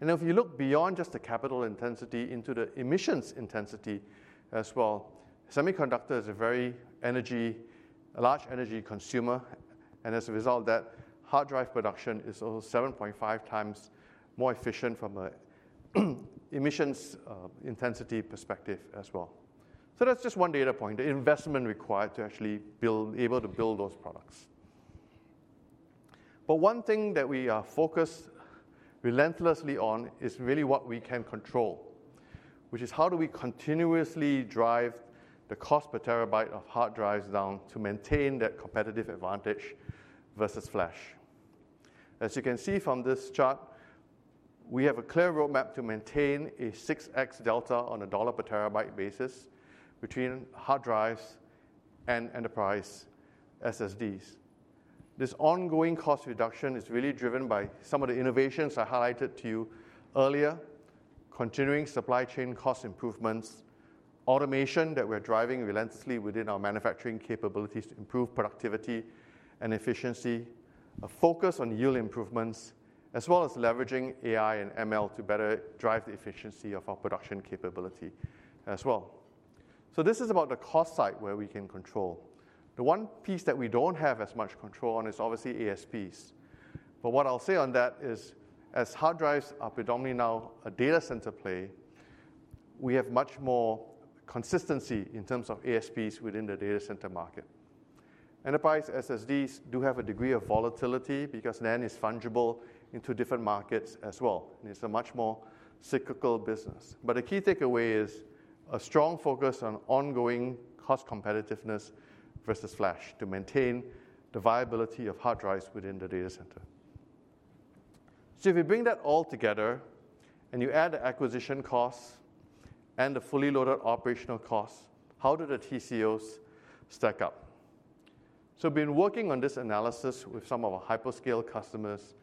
and if you look beyond just the capital intensity into the emissions intensity as well, semiconductor is a very large energy consumer, and as a result of that, hard drive production is also 7.5 times more efficient from an emissions intensity perspective as well, so that's just one data point, the investment required to actually be able to build those products. One thing that we are focused relentlessly on is really what we can control, which is how do we continuously drive the cost per terabyte of hard drives down to maintain that competitive advantage versus flash. As you can see from this chart, we have a clear roadmap to maintain a 6x delta on a $ per terabyte basis between hard drives and enterprise SSDs. This ongoing cost reduction is really driven by some of the innovations I highlighted to you earlier, continuing supply chain cost improvements, automation that we're driving relentlessly within our manufacturing capabilities to improve productivity and efficiency, a focus on yield improvements, as well as leveraging AI and ML to better drive the efficiency of our production capability as well. This is about the cost side where we can control. The one piece that we don't have as much control on is obviously ASPs. But what I'll say on that is, as hard drives are predominantly now a data center play, we have much more consistency in terms of ASPs within the data center market. Enterprise SSDs do have a degree of volatility because NAND is fungible into different markets as well. And it's a much more cyclical business. But the key takeaway is a strong focus on ongoing cost competitiveness versus flash to maintain the viability of hard drives within the data center. So if you bring that all together and you add the acquisition costs and the fully loaded operational costs, how do the TCOs stack up? So we've been working on this analysis with some of our hyperscale customers.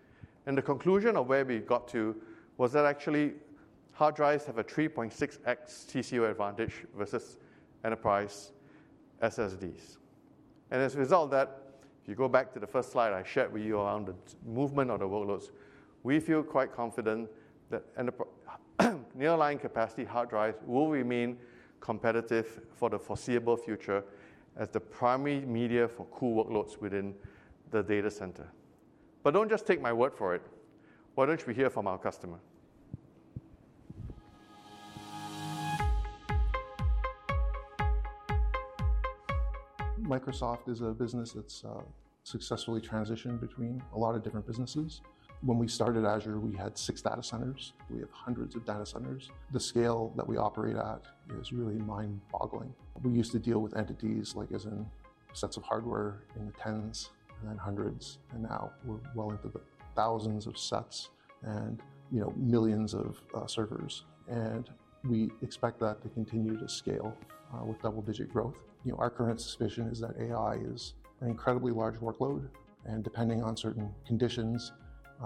And the conclusion of where we got to was that actually hard drives have a 3.6x TCO advantage versus enterprise SSDs. As a result of that, if you go back to the first slide I shared with you around the movement of the workloads, we feel quite confident that nearline capacity hard drives will remain competitive for the foreseeable future as the primary media for cool workloads within the data center. But don't just take my word for it. Why don't you hear from our customer? Microsoft is a business that's successfully transitioned between a lot of different businesses. When we started Azure, we had six data centers. We have hundreds of data centers. The scale that we operate at is really mind-boggling. We used to deal with entities like as in sets of hardware in the tens and then hundreds. Now we're well into the thousands of sets and millions of servers. We expect that to continue to scale with double-digit growth. Our current suspicion is that AI is an incredibly large workload. And depending on certain conditions,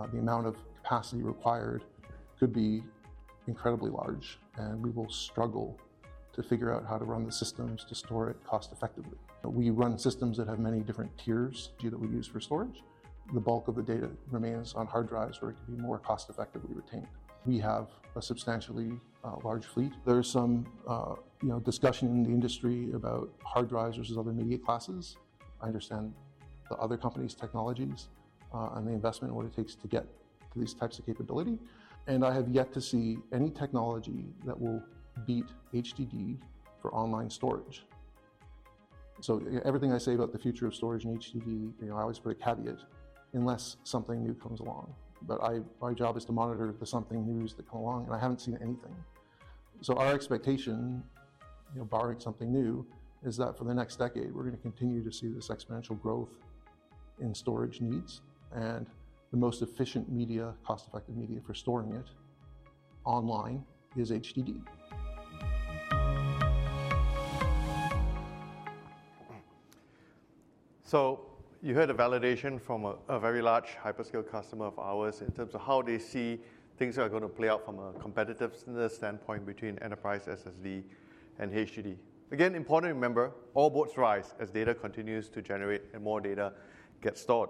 the amount of capacity required could be incredibly large. And we will struggle to figure out how to run the systems to store it cost-effectively. We run systems that have many different tiers that we use for storage. The bulk of the data remains on hard drives where it can be more cost-effectively retained. We have a substantially large fleet. There's some discussion in the industry about hard drives versus other media classes. I understand the other companies' technologies and the investment in what it takes to get to these types of capability. And I have yet to see any technology that will beat HDD for online storage. So everything I say about the future of storage and HDD, I always put a caveat unless something new comes along. But my job is to monitor the some news that come along. And I haven't seen anything. So our expectation, barring something new, is that for the next decade, we're going to continue to see this exponential growth in storage needs. And the most efficient media, cost-effective media for storing it online is HDD. So you heard a validation from a very large hyperscale customer of ours in terms of how they see things are going to play out from a competitiveness standpoint between enterprise SSD and HDD. Again, important to remember, all boats rise as data continues to generate and more data gets stored.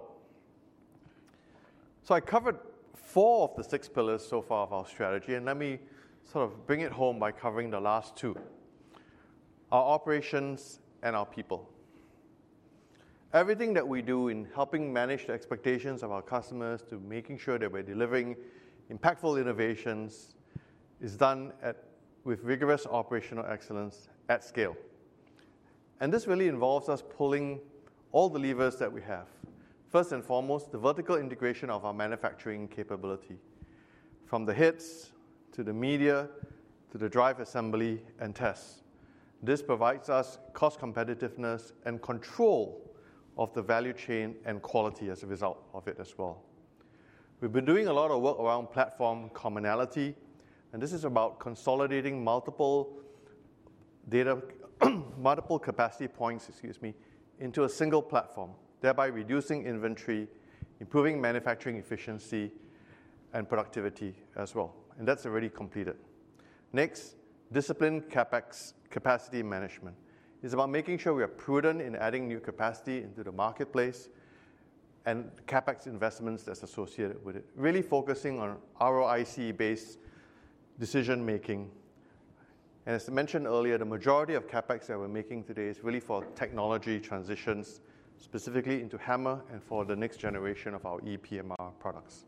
So I covered four of the six pillars so far of our strategy. And let me sort of bring it home by covering the last two, our operations and our people. Everything that we do in helping manage the expectations of our customers to making sure that we're delivering impactful innovations is done with rigorous operational excellence at scale, and this really involves us pulling all the levers that we have. First and foremost, the vertical integration of our manufacturing capability from the heads to the media to the drive assembly and tests. This provides us cost competitiveness and control of the value chain and quality as a result of it as well. We've been doing a lot of work around platform commonality, and this is about consolidating multiple capacity points, excuse me, into a single platform, thereby reducing inventory, improving manufacturing efficiency, and productivity as well, and that's already completed. Next, disciplined CapEx capacity management is about making sure we are prudent in adding new capacity into the marketplace and CapEx investments that's associated with it, really focusing on ROIC-based decision-making. And as mentioned earlier, the majority of CapEx that we're making today is really for technology transitions specifically into HAMR and for the next generation of our ePMR products.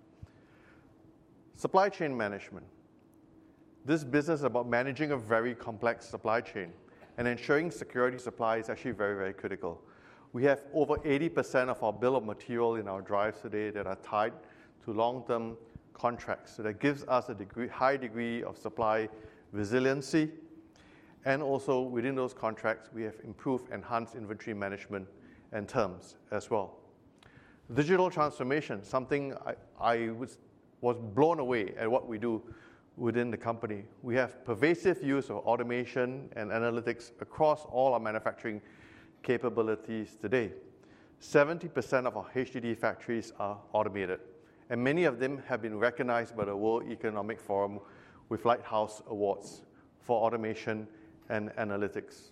Supply chain management. This business is about managing a very complex supply chain and ensuring secure supply is actually very, very critical. We have over 80% of our bill of material in our drives today that are tied to long-term contracts. So that gives us a high degree of supply resiliency. And also, within those contracts, we have improved enhanced inventory management and terms as well. Digital transformation, something I was blown away at what we do within the company. We have pervasive use of automation and analytics across all our manufacturing capabilities today. 70% of our HDD factories are automated. And many of them have been recognized by the World Economic Forum with Lighthouse Awards for automation and analytics.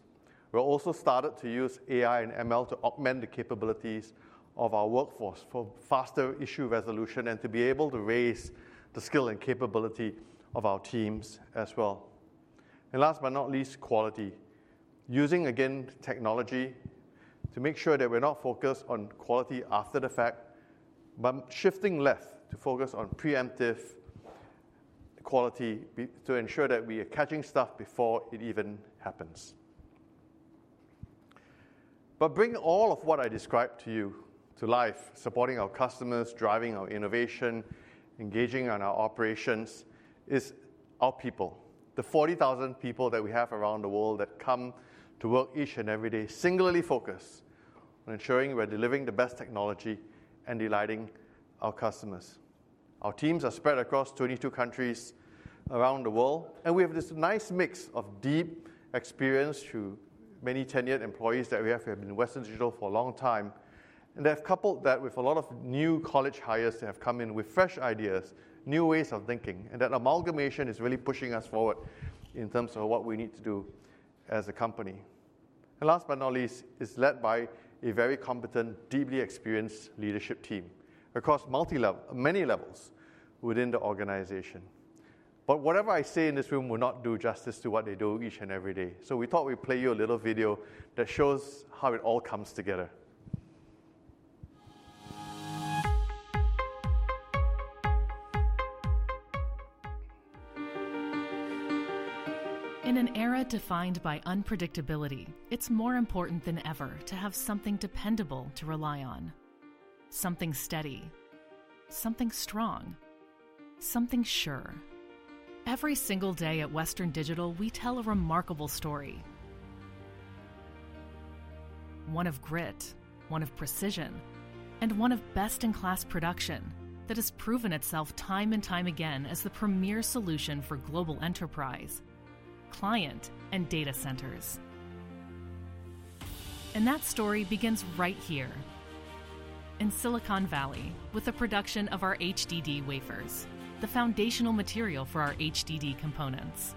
We're also started to use AI and ML to augment the capabilities of our workforce for faster issue resolution and to be able to raise the skill and capability of our teams as well. And last but not least, quality. Using, again, technology to make sure that we're not focused on quality after the fact, but shifting left to focus on preemptive quality to ensure that we are catching stuff before it even happens. But bring all of what I described to you to life, supporting our customers, driving our innovation, engaging on our operations is our people, the 40,000 people that we have around the world that come to work each and every day singularly focused on ensuring we're delivering the best technology and delighting our customers. Our teams are spread across 22 countries around the world. And we have this nice mix of deep experience through many tenured employees that we have. We have been in Western Digital for a long time. And they have coupled that with a lot of new college hires that have come in with fresh ideas, new ways of thinking. And that amalgamation is really pushing us forward in terms of what we need to do as a company. Last but not least, it's led by a very competent, deeply experienced leadership team across many levels within the organization. Whatever I say in this room will not do justice to what they do each and every day. We thought we'd play you a little video that shows how it all comes together. In an era defined by unpredictability, it's more important than ever to have something dependable to rely on, something steady, something strong, something sure. Every single day at Western Digital, we tell a remarkable story, one of grit, one of precision, and one of best-in-class production that has proven itself time and time again as the premier solution for global enterprise, client, and data centers. That story begins right here in Silicon Valley with the production of our HDD wafers, the foundational material for our HDD components.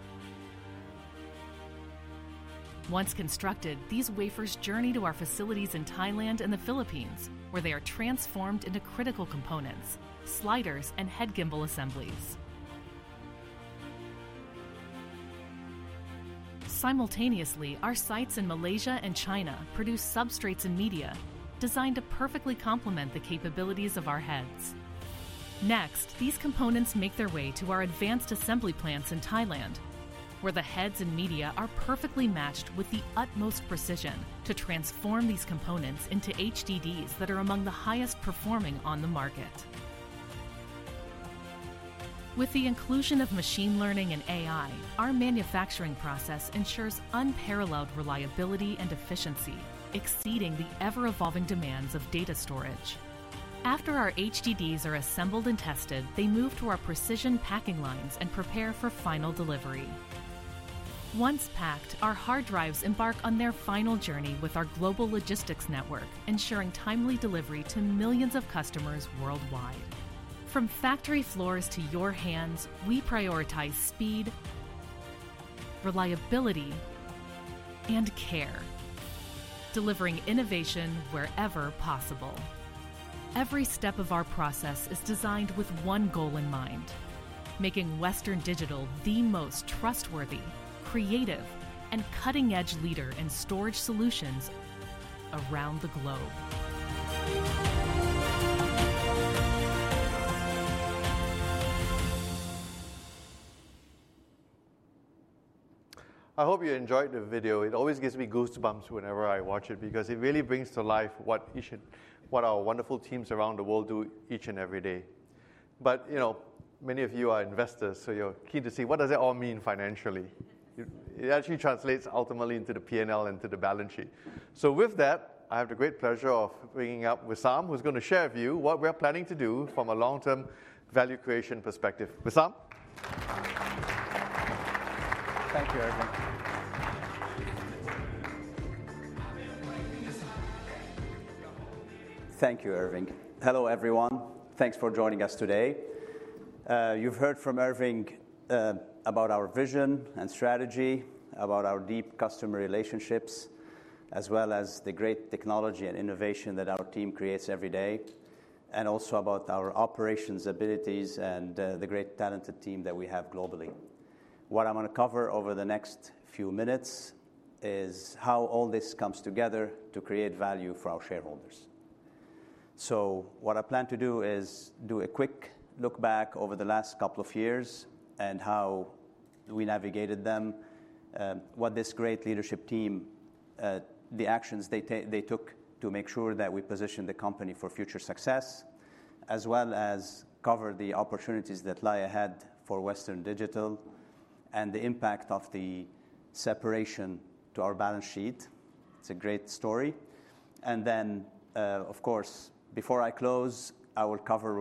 Once constructed, these wafers journey to our facilities in Thailand and the Philippines, where they are transformed into critical components, sliders, and head gimbal assemblies. Simultaneously, our sites in Malaysia and China produce substrates and media designed to perfectly complement the capabilities of our heads. Next, these components make their way to our advanced assembly plants in Thailand, where the heads and media are perfectly matched with the utmost precision to transform these components into HDDs that are among the highest performing on the market. With the inclusion of machine learning and AI, our manufacturing process ensures unparalleled reliability and efficiency, exceeding the ever-evolving demands of data storage. After our HDDs are assembled and tested, they move to our precision packing lines and prepare for final delivery. Once packed, our hard drives embark on their final journey with our global logistics network, ensuring timely delivery to millions of customers worldwide. From factory floors to your hands, we prioritize speed, reliability, and care, delivering innovation wherever possible. Every step of our process is designed with one goal in mind, making Western Digital the most trustworthy, creative, and cutting-edge leader in storage solutions around the globe. I hope you enjoyed the video. It always gives me goosebumps whenever I watch it because it really brings to life what our wonderful teams around the world do each and every day. But many of you are investors, so you're keen to see what does that all mean financially? It actually translates ultimately into the P&L and into the balance sheet. So with that, I have the great pleasure of bringing up Wissam, who's going to share with you what we're planning to do from a long-term value creation perspective. Wissam. Thank you, Irving. Hello, everyone. Thanks for joining us today. You've heard from Irving about our vision and strategy, about our deep customer relationships, as well as the great technology and innovation that our team creates every day, and also about our operations abilities and the great talented team that we have globally. What I'm going to cover over the next few minutes is how all this comes together to create value for our shareholders. So what I plan to do is do a quick look back over the last couple of years and how we navigated them, what this great leadership team, the actions they took to make sure that we position the company for future success, as well as cover the opportunities that lie ahead for Western Digital and the impact of the separation to our balance sheet. It's a great story. And then, of course, before I close, I will cover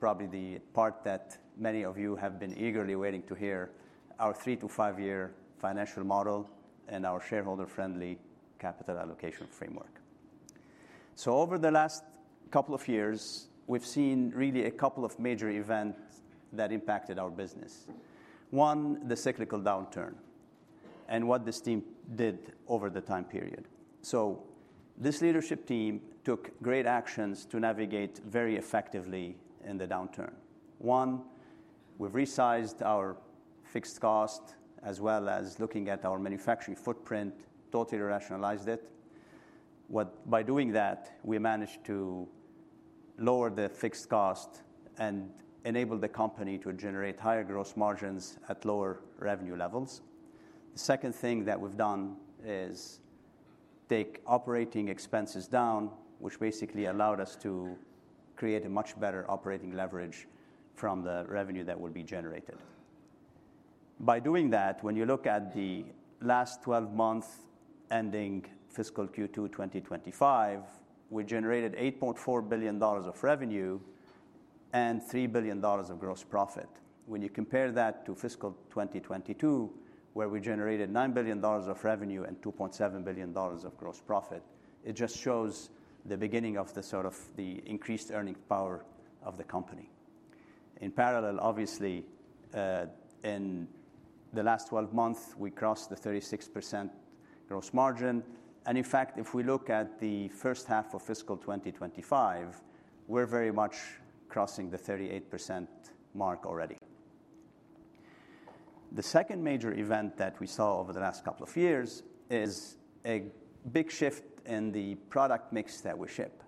probably the part that many of you have been eagerly waiting to hear, our three to five-year financial model and our shareholder-friendly capital allocation framework. So over the last couple of years, we've seen really a couple of major events that impacted our business. One, the cyclical downturn and what this team did over the time period. So this leadership team took great actions to navigate very effectively in the downturn. One, we've resized our fixed cost, as well as looking at our manufacturing footprint, totally rationalized it. By doing that, we managed to lower the fixed cost and enable the company to generate higher gross margins at lower revenue levels. The second thing that we've done is take operating expenses down, which basically allowed us to create a much better operating leverage from the revenue that will be generated. By doing that, when you look at the last 12 months ending fiscal Q2 2025, we generated $8.4 billion of revenue and $3 billion of gross profit. When you compare that to fiscal 2022, where we generated $9 billion of revenue and $2.7 billion of gross profit, it just shows the beginning of the sort of the increased earning power of the company. In parallel, obviously, in the last 12 months, we crossed the 36% gross margin. And in fact, if we look at the first half of fiscal 2025, we're very much crossing the 38% mark already. The second major event that we saw over the last couple of years is a big shift in the product mix that we ship.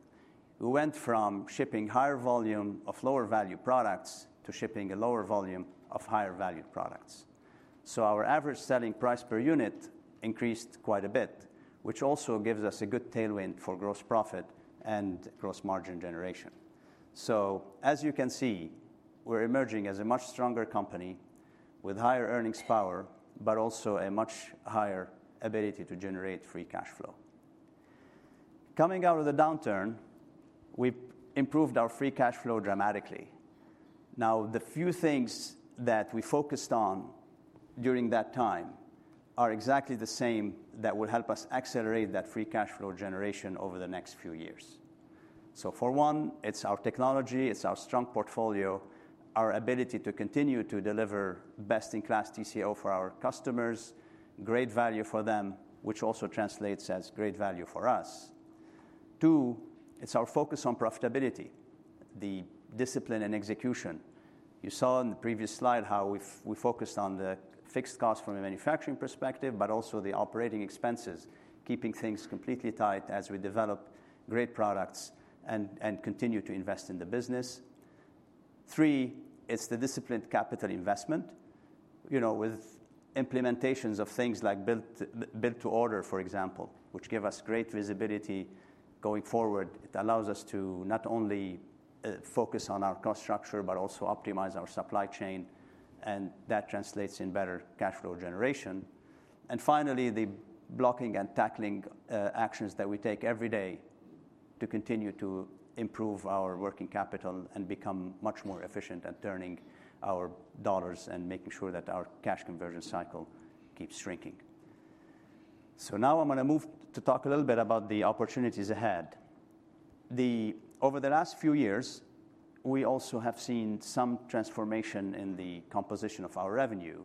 We went from shipping higher volume of lower value products to shipping a lower volume of higher value products. So our average selling price per unit increased quite a bit, which also gives us a good tailwind for gross profit and gross margin generation. So as you can see, we're emerging as a much stronger company with higher earnings power, but also a much higher ability to generate free cash flow. Coming out of the downturn, we've improved our free cash flow dramatically. Now, the few things that we focused on during that time are exactly the same that will help us accelerate that free cash flow generation over the next few years. So for one, it's our technology. It's our strong portfolio, our ability to continue to deliver best-in-class TCO for our customers, great value for them, which also translates as great value for us. Two, it's our focus on profitability, the discipline and execution. You saw in the previous slide how we focused on the fixed cost from a manufacturing perspective, but also the operating expenses, keeping things completely tight as we develop great products and continue to invest in the business. Three, it's the disciplined capital investment with implementations of things like build-to-order, for example, which give us great visibility going forward. It allows us to not only focus on our cost structure, but also optimize our supply chain. And that translates in better cash flow generation. And finally, the blocking and tackling actions that we take every day to continue to improve our working capital and become much more efficient at turning our dollars and making sure that our cash conversion cycle keeps shrinking. So now I'm going to move to talk a little bit about the opportunities ahead. Over the last few years, we also have seen some transformation in the composition of our revenue.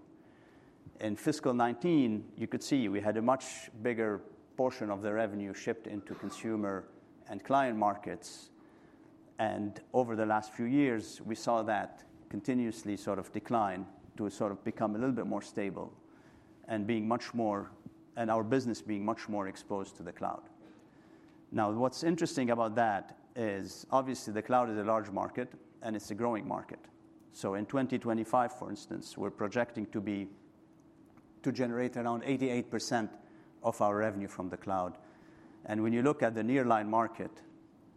In fiscal 2019, you could see we had a much bigger portion of the revenue shipped into consumer and client markets. And over the last few years, we saw that continuously sort of decline to sort of become a little bit more stable and being much more and our business being much more exposed to the cloud. Now, what's interesting about that is, obviously, the cloud is a large market, and it's a growing market. So in 2025, for instance, we're projecting to generate around 88% of our revenue from the cloud. And when you look at the nearline market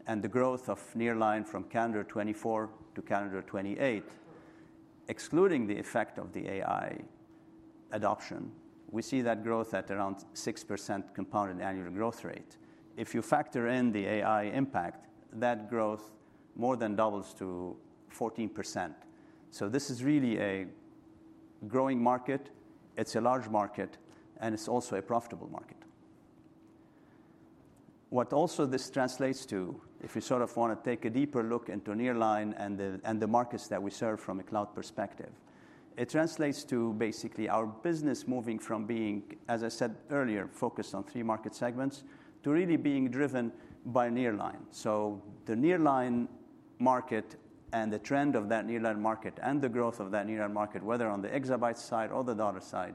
and the growth of nearline from calendar 2024 to calendar 2028, excluding the effect of the AI adoption, we see that growth at around 6% compounded annual growth rate. If you factor in the AI impact, that growth more than doubles to 14%. So this is really a growing market. It's a large market, and it's also a profitable market. What also this translates to, if you sort of want to take a deeper look into nearline and the markets that we serve from a cloud perspective, it translates to basically our business moving from being, as I said earlier, focused on three market segments to really being driven by nearline. So the nearline market and the trend of that nearline market and the growth of that nearline market, whether on the exabyte side or the dollar side,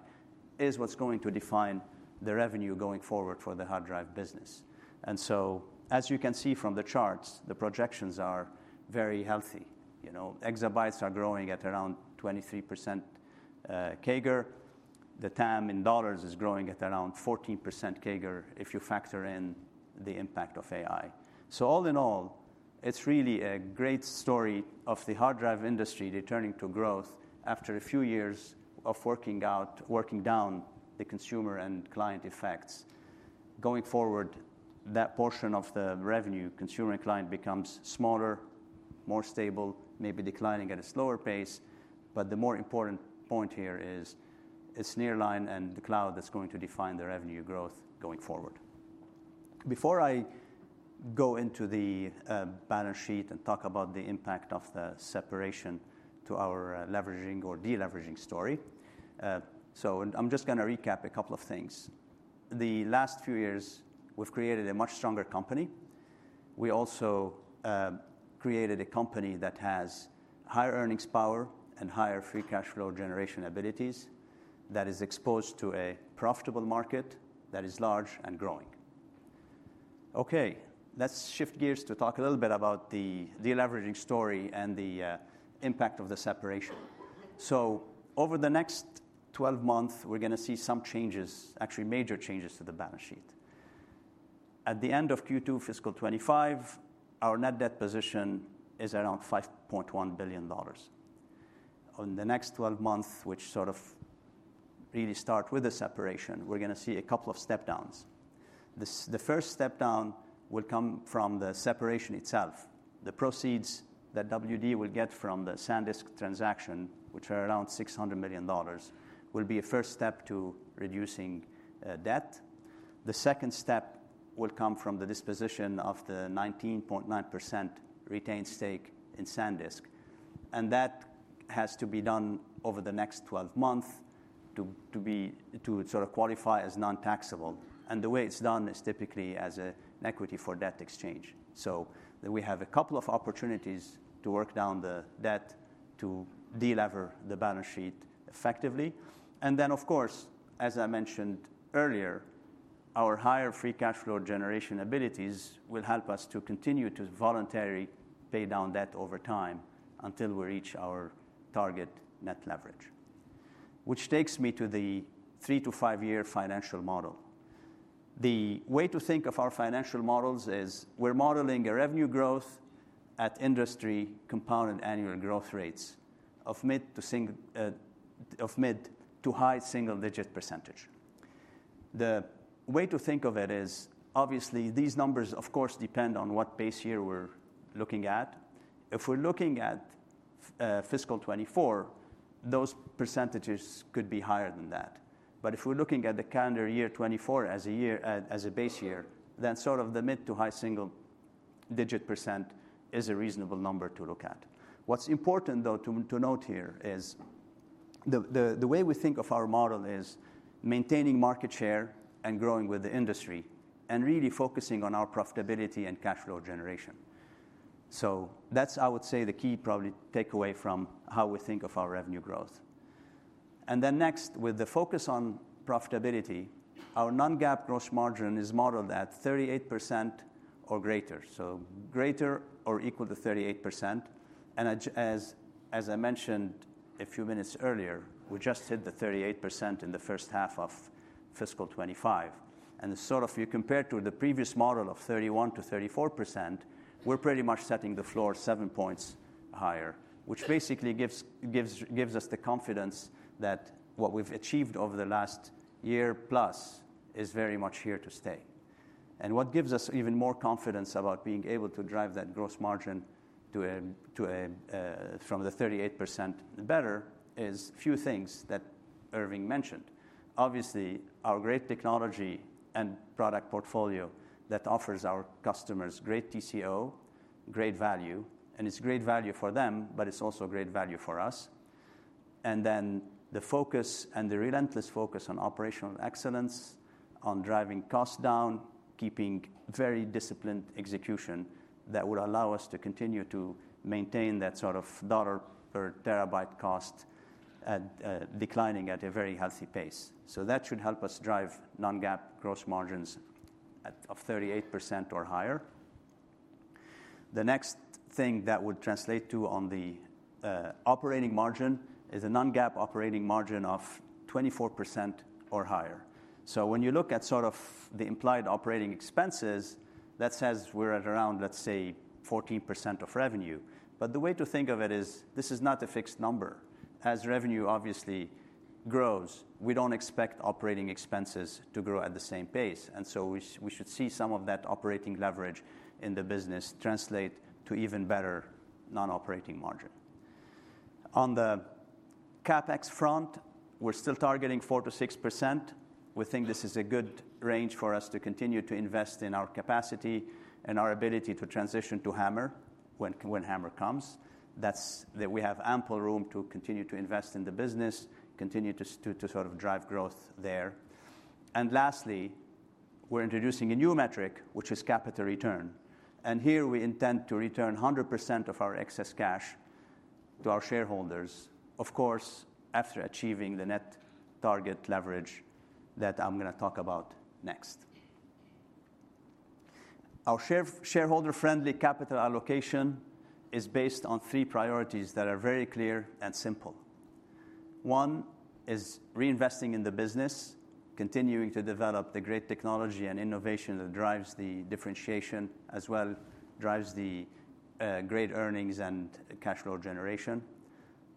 is what's going to define the revenue going forward for the hard drive business. And so, as you can see from the charts, the projections are very healthy. Exabytes are growing at around 23% CAGR. The TAM in dollars is growing at around 14% CAGR if you factor in the impact of AI. So all in all, it's really a great story of the hard drive industry returning to growth after a few years of working down the consumer and client effects. Going forward, that portion of the revenue, consumer and client, becomes smaller, more stable, maybe declining at a slower pace. But the more important point here is it's nearline and the cloud that's going to define the revenue growth going forward. Before I go into the balance sheet and talk about the impact of the separation to our leveraging or de-leveraging story, so I'm just going to recap a couple of things. The last few years, we've created a much stronger company. We also created a company that has higher earnings power and higher free cash flow generation abilities that is exposed to a profitable market that is large and growing. Okay, let's shift gears to talk a little bit about the de-leveraging story and the impact of the separation. So over the next 12 months, we're going to see some changes, actually major changes to the balance sheet. At the end of Q2 fiscal 2025, our net debt position is around $5.1 billion. In the next 12 months, which sort of really start with the separation, we're going to see a couple of step-downs. The first step-down will come from the separation itself. The proceeds that WD will get from the SanDisk transaction, which are around $600 million, will be a first step to reducing debt. The second step will come from the disposition of the 19.9% retained stake in SanDisk. And that has to be done over the next 12 months to sort of qualify as non-taxable. And the way it's done is typically as an equity for debt exchange. So we have a couple of opportunities to work down the debt to de-lever the balance sheet effectively. And then, of course, as I mentioned earlier, our higher free cash flow generation abilities will help us to continue to voluntarily pay down debt over time until we reach our target net leverage, which takes me to the three to five-year financial model. The way to think of our financial models is we're modeling a revenue growth at industry compounded annual growth rates of mid- to high single-digit %. The way to think of it is, obviously, these numbers, of course, depend on what base year we're looking at. If we're looking at fiscal 2024, those percentages could be higher than that. But if we're looking at the calendar year 2024 as a base year, then sort of the mid- to high-single-digit % is a reasonable number to look at. What's important, though, to note here is the way we think of our model is maintaining market share and growing with the industry and really focusing on our profitability and cash flow generation. So that's, I would say, the key probably takeaway from how we think of our revenue growth. And then next, with the focus on profitability, our non-GAAP gross margin is modeled at 38% or greater, so greater or equal to 38%. And as I mentioned a few minutes earlier, we just hit the 38% in the first half of fiscal 2025. And sort of if you compare it to the previous model of 31%-34%, we're pretty much setting the floor seven points higher, which basically gives us the confidence that what we've achieved over the last year plus is very much here to stay. And what gives us even more confidence about being able to drive that gross margin from the 38% better is a few things that Irving mentioned. Obviously, our great technology and product portfolio that offers our customers great TCO, great value, and it's great value for them, but it's also great value for us. And then the focus and the relentless focus on operational excellence, on driving costs down, keeping very disciplined execution that will allow us to continue to maintain that sort of $ per terabyte cost declining at a very healthy pace. So that should help us drive non-GAAP gross margins of 38% or higher. The next thing that would translate to on the operating margin is a non-GAAP operating margin of 24% or higher. So when you look at sort of the implied operating expenses, that says we're at around, let's say, 14% of revenue. But the way to think of it is this is not a fixed number. As revenue obviously grows, we don't expect operating expenses to grow at the same pace. And so we should see some of that operating leverage in the business translate to even better non-GAAP operating margin. On the CapEx front, we're still targeting 4%-6%. We think this is a good range for us to continue to invest in our capacity and our ability to transition to HAMR when HAMR comes. That’s that we have ample room to continue to invest in the business, continue to sort of drive growth there. And lastly, we’re introducing a new metric, which is capital return. And here we intend to return 100% of our excess cash to our shareholders, of course, after achieving the net target leverage that I’m going to talk about next. Our shareholder-friendly capital allocation is based on three priorities that are very clear and simple. One is reinvesting in the business, continuing to develop the great technology and innovation that drives the differentiation as well, drives the great earnings and cash flow generation.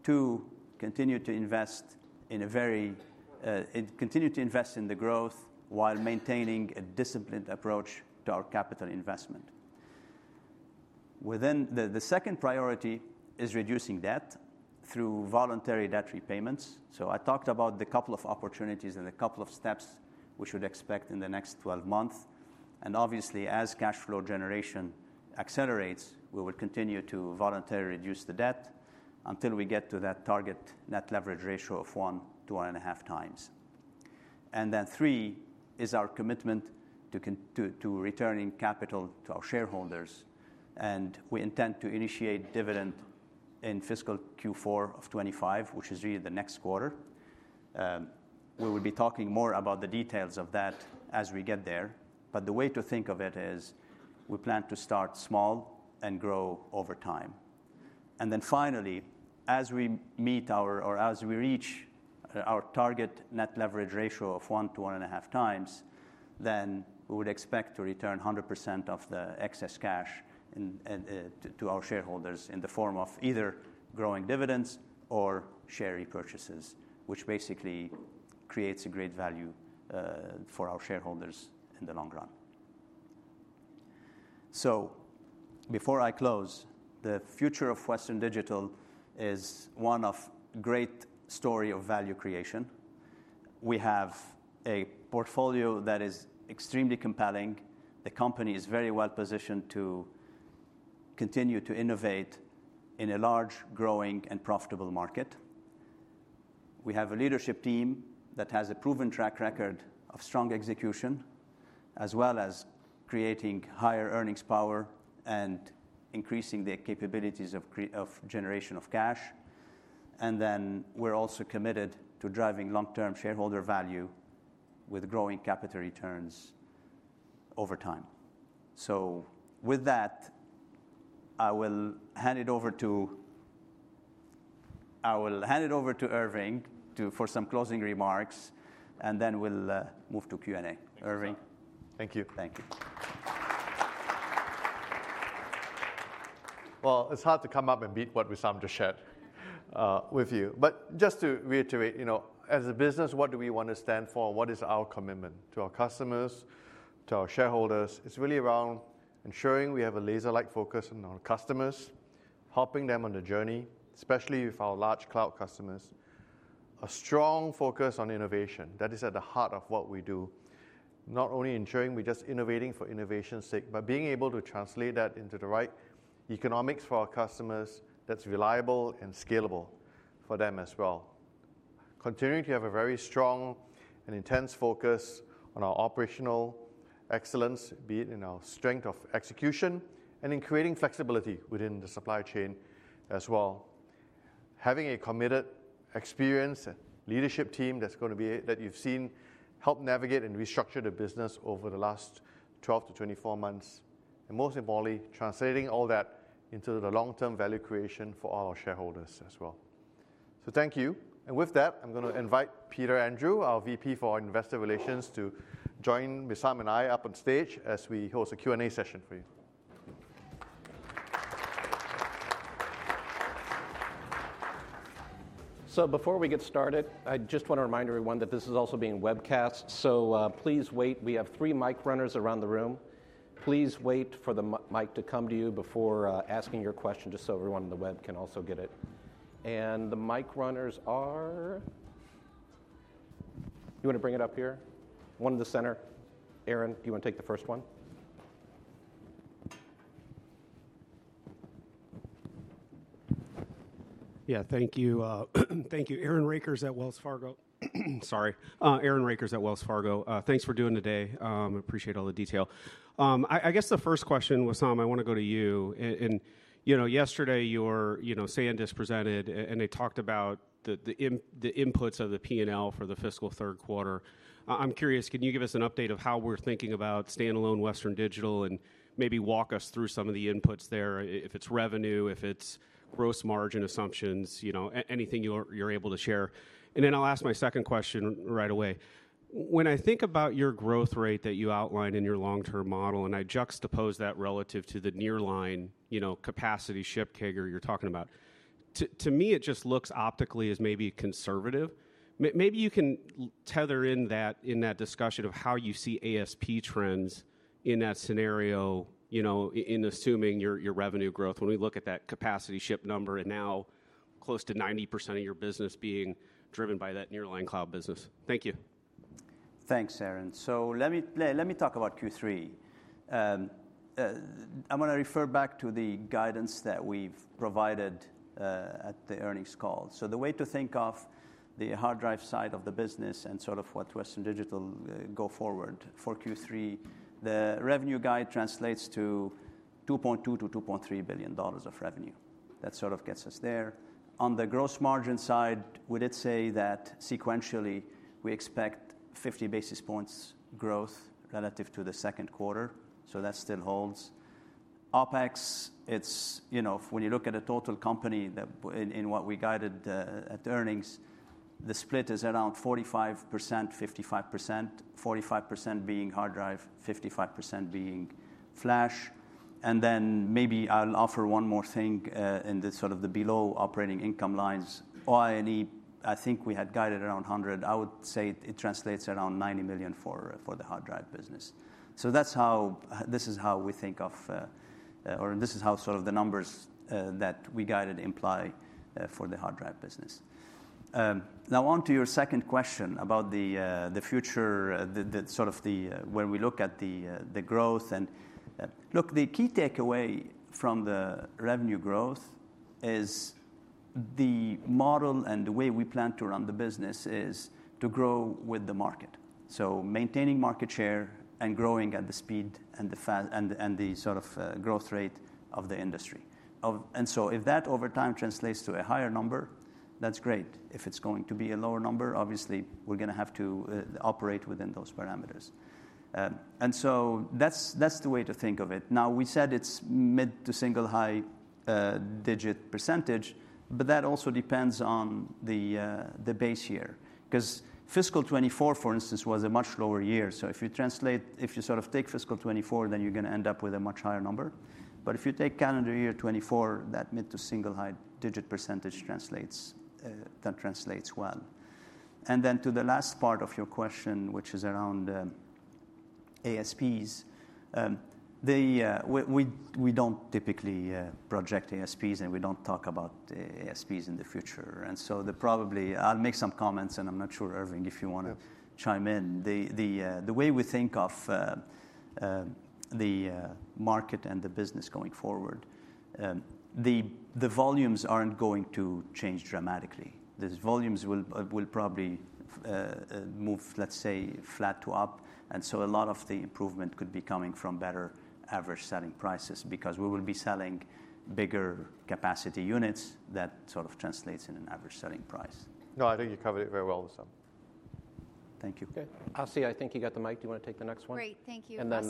Two, continue to invest in the growth while maintaining a disciplined approach to our capital investment. The second priority is reducing debt through voluntary debt repayments. I talked about the couple of opportunities and the couple of steps we should expect in the next 12 months. And obviously, as cash flow generation accelerates, we will continue to voluntarily reduce the debt until we get to that target net leverage ratio of one to one and a half times. And then three is our commitment to returning capital to our shareholders. And we intend to initiate dividend in fiscal Q4 of 2025, which is really the next quarter. We will be talking more about the details of that as we get there. But the way to think of it is we plan to start small and grow over time. Then finally, as we reach our target net leverage ratio of one to one and a half times, we would expect to return 100% of the excess cash to our shareholders in the form of either growing dividends or share repurchases, which basically creates a great value for our shareholders in the long run. Before I close, the future of Western Digital is one of great story of value creation. We have a portfolio that is extremely compelling. The company is very well positioned to continue to innovate in a large, growing, and profitable market. We have a leadership team that has a proven track record of strong execution, as well as creating higher earnings power and increasing the capabilities of generation of cash. We're also committed to driving long-term shareholder value with growing capital returns over time. So with that, I will hand it over to Irving for some closing remarks, and then we'll move to Q&A. Irving. Thank you. Thank you. It's hard to come up and beat what Wissam just shared with you. But just to reiterate, as a business, what do we want to stand for? What is our commitment to our customers, to our shareholders? It's really around ensuring we have a laser-like focus on our customers, helping them on the journey, especially with our large cloud customers. A strong focus on innovation. That is at the heart of what we do. Not only ensuring we're just innovating for innovation's sake, but being able to translate that into the right economics for our customers that's reliable and scalable for them as well. Continuing to have a very strong and intense focus on our operational excellence, be it in our strength of execution and in creating flexibility within the supply chain as well. Having a committed, experienced and leadership team that's going to be that you've seen help navigate and restructure the business over the last 12 to 24 months. Most importantly, translating all that into the long-term value creation for all our shareholders as well. Thank you. With that, I'm going to invite Peter Andrew, our VP for Investor Relations, to join Wissam and I up on stage as we host a Q&A session for you. So before we get started, I just want to remind everyone that this is also being webcast. So please wait. We have three mic runners around the room. Please wait for the mic to come to you before asking your question, just so everyone on the web can also get it. And the mic runners are you want to bring it up here? One in the center. Aaron, do you want to take the first one? Yeah, thank you. Thank you. Aaron Rakers at Wells Fargo. Sorry. Aaron Rakers at Wells Fargo. Thanks for doing it today. Appreciate all the detail. I guess the first question, Wissam, I want to go to you. And yesterday, your SanDisk presented and they talked about the inputs of the P&L for the fiscal third quarter. I'm curious, can you give us an update of how we're thinking about standalone Western Digital and maybe walk us through some of the inputs there, if it's revenue, if it's gross margin assumptions, anything you're able to share? And then I'll ask my second question right away. When I think about your growth rate that you outlined in your long-term model, and I juxtapose that relative to the nearline capacity shipment CAGR you're talking about, to me, it just looks optically as maybe conservative. Maybe you can tie in that discussion of how you see ASP trends in that scenario, assuming your revenue growth when we look at that capacity shipped number and now close to 90% of your business being driven by that nearline cloud business? Thank you. Thanks, Aaron. So let me talk about Q3. I'm going to refer back to the guidance that we've provided at the earnings call. So the way to think of the hard drive side of the business and sort of what Western Digital go forward for Q3, the revenue guide translates to $2.2-$2.3 billion of revenue. That sort of gets us there. On the gross margin side, we did say that sequentially we expect 50 basis points growth relative to the second quarter. So that still holds. OpEx, it's when you look at a total company in what we guided at earnings, the split is around 45%, 55%, 45% being hard drive, 55% being flash. And then maybe I'll offer one more thing in the sort of the below operating income lines. OI&E, I think we had guided around 100. I would say it translates around $90 million for the hard drive business, so this is how we think of or this is how sort of the numbers that we guided imply for the hard drive business. Now, on to your second question about the future, sort of when we look at the growth, and look, the key takeaway from the revenue growth is the model and the way we plan to run the business is to grow with the market, so maintaining market share and growing at the speed and the sort of growth rate of the industry, and so if that over time translates to a higher number, that's great. If it's going to be a lower number, obviously, we're going to have to operate within those parameters, and so that's the way to think of it. Now, we said it's mid- to single-high-digit percentage, but that also depends on the base year. Because fiscal 2024, for instance, was a much lower year. So if you translate, if you sort of take fiscal 2024, then you're going to end up with a much higher number. But if you take calendar year 2024, that mid- to single-high-digit percentage translates well. And then to the last part of your question, which is around ASPs, we don't typically project ASPs and we don't talk about ASPs in the future. And so probably I'll make some comments, and I'm not sure, Irving, if you want to chime in. The way we think of the market and the business going forward, the volumes aren't going to change dramatically. The volumes will probably move, let's say, flat to up. And so a lot of the improvement could be coming from better average selling prices because we will be selling bigger capacity units that sort of translates in an average selling price. No, I think you covered it very well, Wissam. Thank you. Okay. Asiya, I think you got the mic. Do you want to take the next one? Great. Thank you, Asiya. And then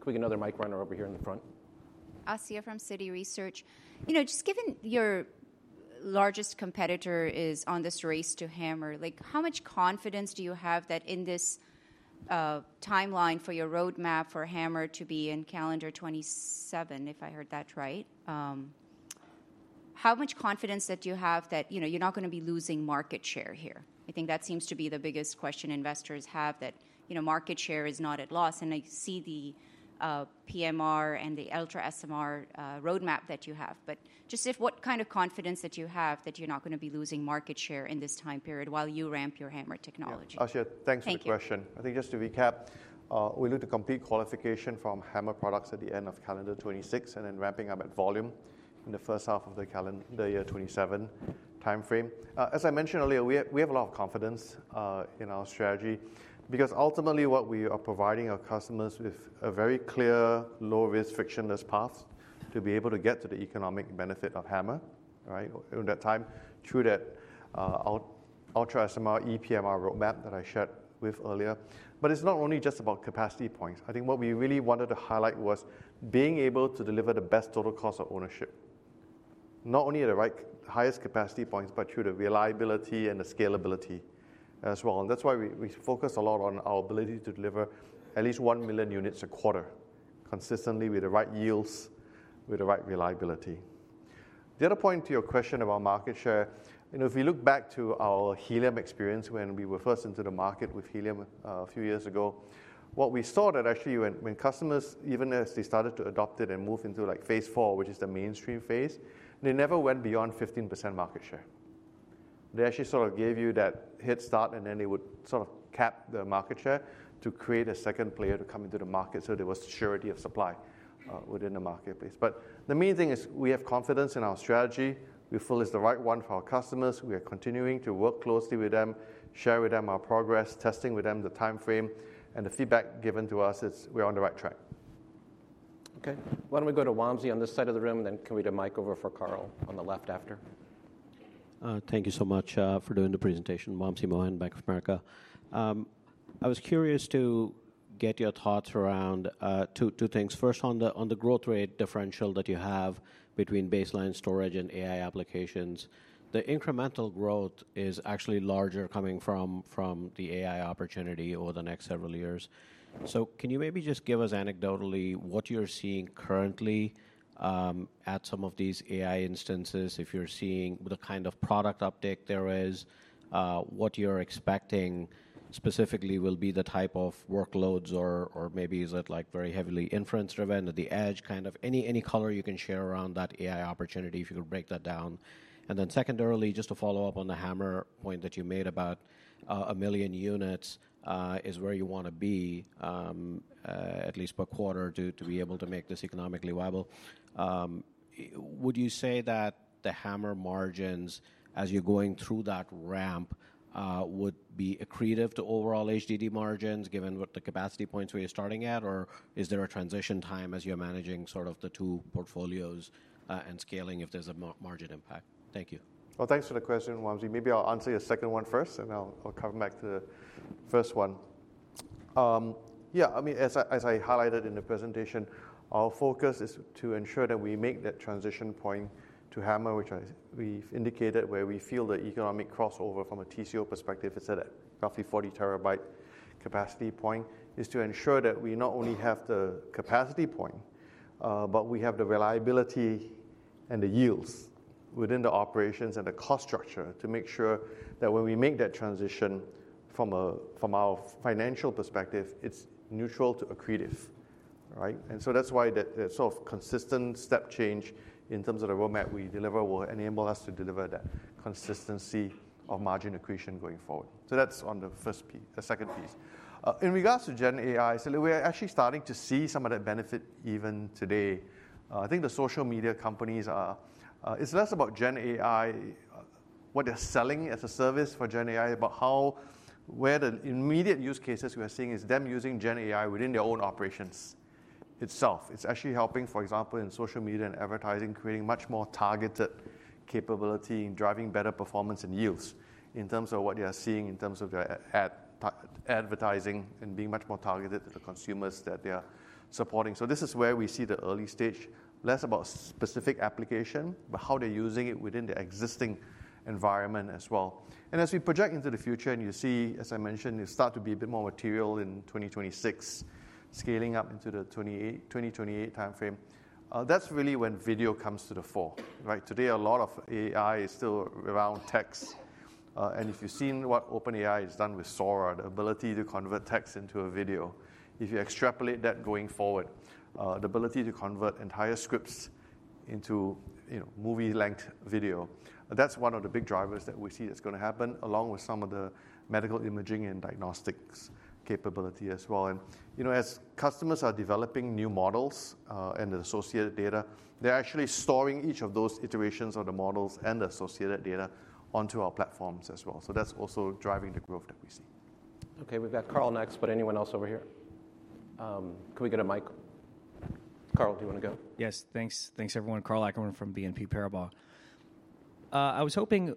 could we get another mic runner over here in the front? Asiya from Citi Research. Just given your largest competitor is on this race to HAMR, how much confidence do you have that in this timeline for your roadmap for HAMR to be in calendar 27, if I heard that right? How much confidence that you have that you're not going to be losing market share here? I think that seems to be the biggest question investors have that market share is not at loss. And I see the PMR and the UltraSMR roadmap that you have. But just what kind of confidence that you have that you're not going to be losing market share in this time period while you ramp your HAMR technology? Asiya, thanks for the question. I think just to recap, we look to complete qualification from HAMR products at the end of calendar 2026 and then ramping up at volume in the first half of the year 2027 timeframe. As I mentioned earlier, we have a lot of confidence in our strategy because ultimately what we are providing our customers with a very clear low risk frictionless path to be able to get to the economic benefit of HAMR in that time through that UltraSMR, ePMR roadmap that I shared with earlier. But it's not only just about capacity points. I think what we really wanted to highlight was being able to deliver the best total cost of ownership, not only at the right highest capacity points, but through the reliability and the scalability as well. That's why we focus a lot on our ability to deliver at least one million units a quarter consistently with the right yields, with the right reliability. The other point to your question about market share, if we look back to our helium experience when we were first into the market with helium a few years ago, what we saw that actually when customers, even as they started to adopt it and move into phase four, which is the mainstream phase, they never went beyond 15% market share. They actually sort of gave you that head start, and then they would sort of cap the market share to create a second player to come into the market. There was surety of supply within the marketplace. The main thing is we have confidence in our strategy. We feel it's the right one for our customers. We are continuing to work closely with them, share with them our progress, testing with them the timeframe, and the feedback given to us is we're on the right track. Okay. Why don't we go to Wamsi on this side of the room, and then can we get a mic over for Karl on the left after? Thank you so much for doing the presentation. Wamsi Mohan, Bank of America. I was curious to get your thoughts around two things. First, on the growth rate differential that you have between baseline storage and AI applications, the incremental growth is actually larger coming from the AI opportunity over the next several years. So can you maybe just give us anecdotally what you're seeing currently at some of these AI instances, if you're seeing the kind of product uptake there is, what you're expecting specifically will be the type of workloads, or maybe is it very heavily inference-driven at the edge, kind of any color you can share around that AI opportunity if you could break that down? And then secondarily, just to follow up on the HAMR point that you made about a million units is where you want to be, at least per quarter, to be able to make this economically viable. Would you say that the HAMR margins, as you're going through that ramp, would be accretive to overall HDD margins given what the capacity points we are starting at, or is there a transition time as you're managing sort of the two portfolios and scaling if there's a margin impact? Thank you. Thanks for the question, Wamsi. Maybe I'll answer your second one first, and I'll come back to the first one. Yeah, I mean, as I highlighted in the presentation, our focus is to ensure that we make that transition point to HAMR, which we've indicated where we feel the economic crossover from a TCO perspective. It's at roughly 40 terabyte capacity point, is to ensure that we not only have the capacity point, but we have the reliability and the yields within the operations and the cost structure to make sure that when we make that transition from our financial perspective, it's neutral to accretive. And so that's why that sort of consistent step change in terms of the roadmap we deliver will enable us to deliver that consistency of margin equation going forward. That's on the second piece. In regards to GenAI, we're actually starting to see some of that benefit even today. I think the social media companies, it's less about GenAI, what they're selling as a service for GenAI, but where the immediate use cases we are seeing is them using GenAI within their own operations itself. It's actually helping, for example, in social media and advertising, creating much more targeted capability and driving better performance and yields in terms of what they are seeing in terms of their advertising and being much more targeted to the consumers that they are supporting. So this is where we see the early stage, less about specific application, but how they're using it within their existing environment as well, and as we project into the future, and you see, as I mentioned, you start to be a bit more material in 2026, scaling up into the 2028 timeframe. That's really when video comes to the fore. Today, a lot of AI is still around text. And if you've seen what OpenAI has done with Sora, the ability to convert text into a video, if you extrapolate that going forward, the ability to convert entire scripts into movie-length video, that's one of the big drivers that we see that's going to happen along with some of the medical imaging and diagnostics capability as well. And as customers are developing new models and the associated data, they're actually storing each of those iterations of the models and the associated data onto our platforms as well. So that's also driving the growth that we see. Okay, we've got Karl next, but anyone else over here? Can we get a mic? Karl, do you want to go? Yes, thanks. Thanks, everyone. Karl Ackerman from BNP Paribas. I was hoping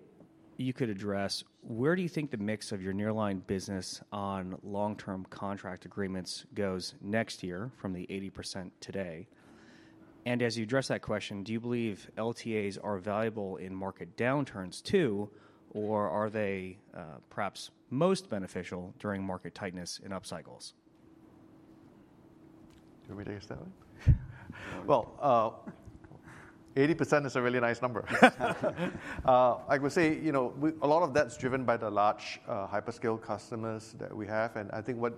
you could address where do you think the mix of your nearline business on long-term contract agreements goes next year from the 80% today? And as you address that question, do you believe LTAs are valuable in market downturns too, or are they perhaps most beneficial during market tightness in upcycles? Do you want me to answer that one? Well, 80% is a really nice number. I would say a lot of that's driven by the large hyperscale customers that we have. And I think what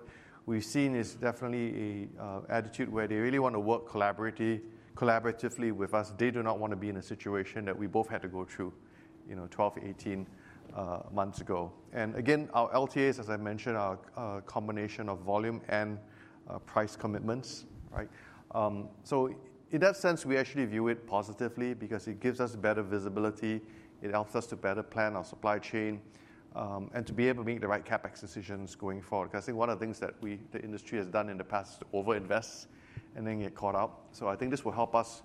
we've seen is definitely an attitude where they really want to work collaboratively with us. They do not want to be in a situation that we both had to go through 12-18 months ago. And again, our LTAs, as I mentioned, are a combination of volume and price commitments. So in that sense, we actually view it positively because it gives us better visibility. It helps us to better plan our supply chain and to be able to make the right CapEx decisions going forward. Because I think one of the things that the industry has done in the past is to overinvest and then get caught up. I think this will help us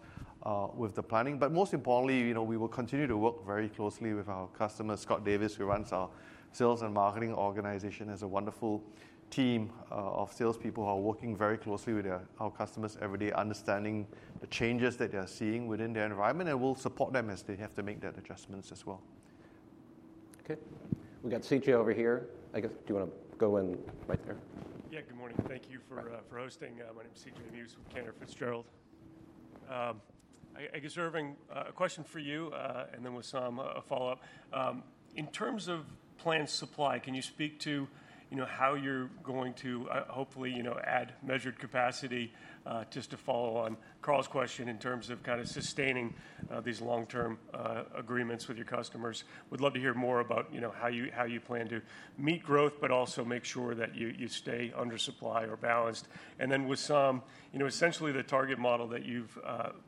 with the planning. Most importantly, we will continue to work very closely with our customers, Scott Davis, who runs our sales and marketing organization, has a wonderful team of salespeople who are working very closely with our customers every day, understanding the changes that they're seeing within their environment, and will support them as they have to make those adjustments as well. Okay. We got CJ over here. I guess, do you want to go in right there? Yeah, good morning. Thank you for hosting. My name is C.J. Muse with Cantor Fitzgerald. I guess, Irving, a question for you, and then Wissam, a follow-up. In terms of planned supply, can you speak to how you're going to hopefully add measured capacity just to follow on Karl's question in terms of kind of sustaining these long-term agreements with your customers? Would love to hear more about how you plan to meet growth, but also make sure that you stay under supply or balanced. And then Wissam, essentially the target model that you've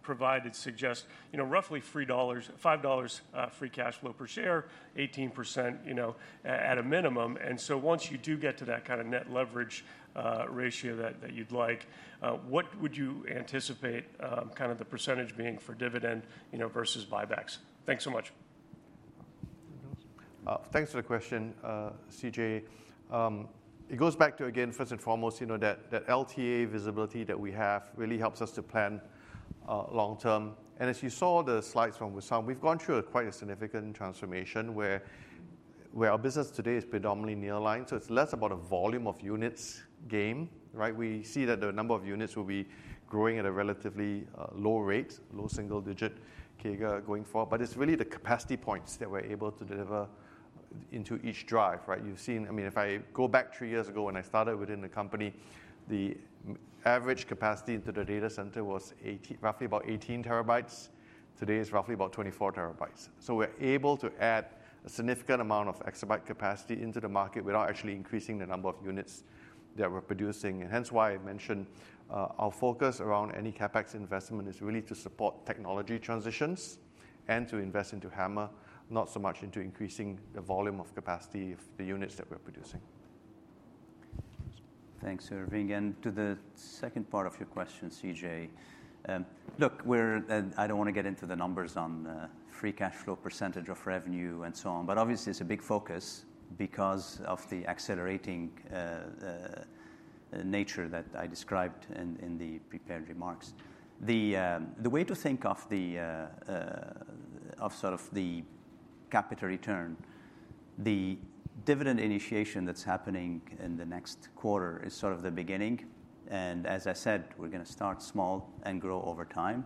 provided suggests roughly $5 free cash flow per share, 18% at a minimum. And so once you do get to that kind of net leverage ratio that you'd like, what would you anticipate kind of the percentage being for dividend versus buybacks? Thanks so much. Thanks for the question, CJ. It goes back to, again, first and foremost, that LTA visibility that we have really helps us to plan long-term. And as you saw the slides from Wissam, we've gone through quite a significant transformation where our business today is predominantly nearline. So it's less about a volume of units game. We see that the number of units will be growing at a relatively low rate, low single-digit figure going forward. But it's really the capacity points that we're able to deliver into each drive. I mean, if I go back three years ago when I started within the company, the average capacity into the data center was roughly about 18 terabytes. Today it's roughly about 24 terabytes. So we're able to add a significant amount of exabyte capacity into the market without actually increasing the number of units that we're producing. Hence why I mentioned our focus around any CapEx investment is really to support technology transitions and to invest into HAMR, not so much into increasing the volume of capacity of the units that we're producing. Thanks, Irving. And to the second part of your question, CJ, look, I don't want to get into the numbers on free cash flow percentage of revenue and so on, but obviously it's a big focus because of the accelerating nature that I described in the prepared remarks. The way to think of sort of the capital return, the dividend initiation that's happening in the next quarter is sort of the beginning. And as I said, we're going to start small and grow over time.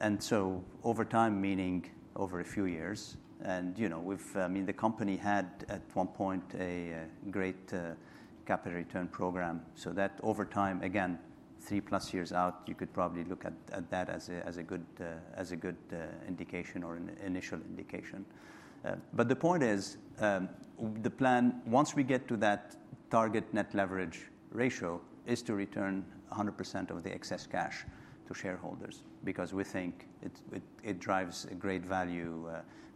And so over time, meaning over a few years. And I mean, the company had at one point a great capital return program. So that over time, again, three plus years out, you could probably look at that as a good indication or an initial indication. But the point is the plan, once we get to that target net leverage ratio, is to return 100% of the excess cash to shareholders because we think it drives a great value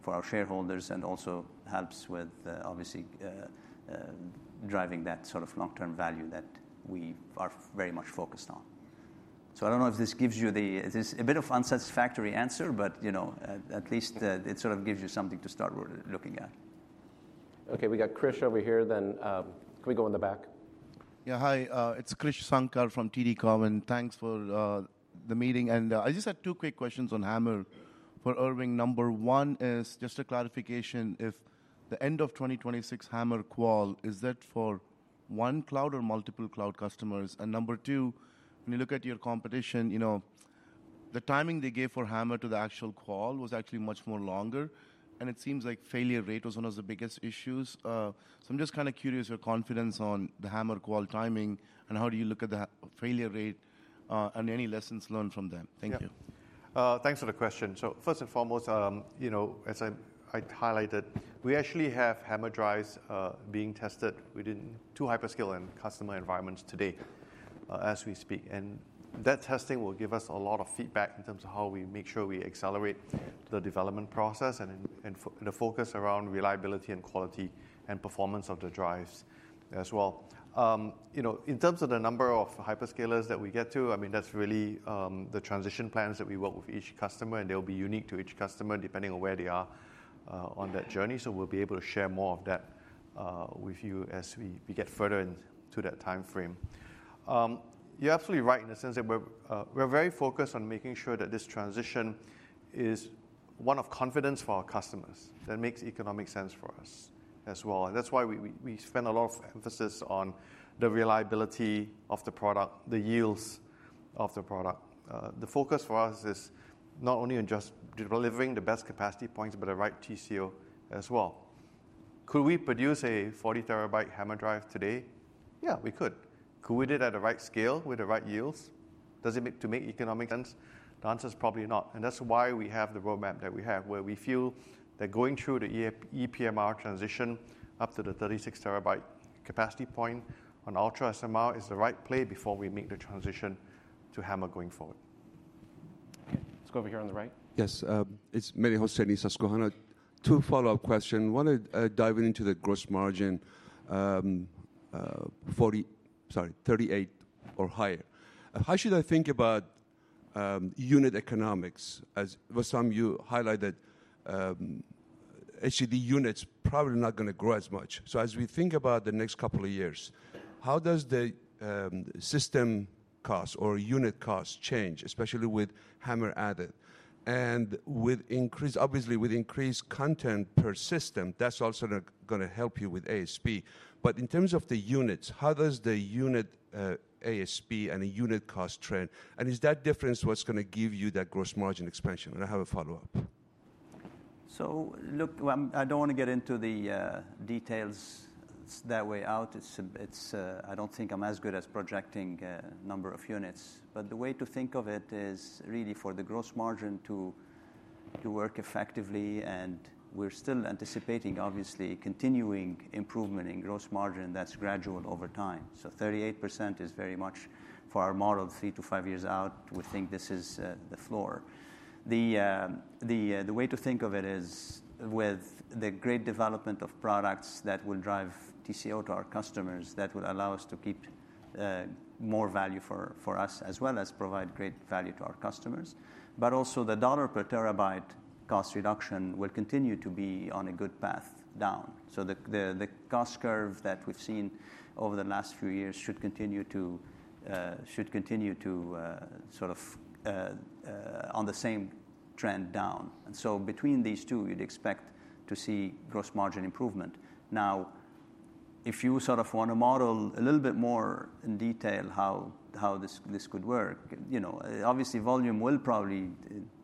for our shareholders and also helps with, obviously, driving that sort of long-term value that we are very much focused on. So I don't know if this gives you a bit of unsatisfactory answer, but at least it sort of gives you something to start looking at. Okay, we got Krish over here. Then can we go in the back? Yeah, hi. It's Krish Sankar from TD Cowen. And thanks for the meeting. And I just had two quick questions on HAMR for Irving. Number one is just a clarification. If the end of 2026 HAMR qual is that for one cloud or multiple cloud customers? And number two, when you look at your competition, the timing they gave for HAMR to the actual qual was actually much more longer. And it seems like failure rate was one of the biggest issues. So I'm just kind of curious your confidence on the HAMR qual timing and how do you look at the failure rate and any lessons learned from them. Thank you. Thanks for the question. So first and foremost, as I highlighted, we actually have HAMR drives being tested within two hyperscaler customer environments today as we speak. And that testing will give us a lot of feedback in terms of how we make sure we accelerate the development process and the focus around reliability and quality and performance of the drives as well. In terms of the number of hyperscalers that we get to, I mean, that's really the transition plans that we work with each customer, and they'll be unique to each customer depending on where they are on that journey. So we'll be able to share more of that with you as we get further into that timeframe. You're absolutely right in the sense that we're very focused on making sure that this transition is one of confidence for our customers. That makes economic sense for us as well, and that's why we spend a lot of emphasis on the reliability of the product, the yields of the product. The focus for us is not only in just delivering the best capacity points, but the right TCO as well. Could we produce a 40 terabyte HAMR drive today? Yeah, we could. Could we do that at the right scale with the right yields? Does it make economic sense? The answer is probably not, and that's why we have the roadmap that we have, where we feel that going through the ePMR transition up to the 36 terabyte capacity point on UltraSMR is the right play before we make the transition to HAMR going forward. Let's go over here on the right. Yes, it's Mehdi Hosseini, Susquehanna. Two follow-up questions. One is diving into the gross margin, sorry, 38% or higher. How should I think about unit economics? As Wissam, you highlighted HDD units probably not going to grow as much. So as we think about the next couple of years, how does the system cost or unit cost change, especially with HAMR added? And obviously, with increased content per system, that's also going to help you with ASP. But in terms of the units, how does the unit ASP and the unit cost trend? And is that difference what's going to give you that gross margin expansion? And I have a follow-up. So, look, I don't want to get into the details that way out. I don't think I'm as good as projecting a number of units. But the way to think of it is really for the gross margin to work effectively. And we're still anticipating, obviously, continuing improvement in gross margin that's gradual over time. So 38% is very much for our model three to five years out. We think this is the floor. The way to think of it is with the great development of products that will drive TCO to our customers that will allow us to keep more value for us as well as provide great value to our customers. But also the dollar per terabyte cost reduction will continue to be on a good path down. So the cost curve that we've seen over the last few years should continue to sort of on the same trend down. And so between these two, you'd expect to see gross margin improvement. Now, if you sort of want to model a little bit more in detail how this could work, obviously, volume will probably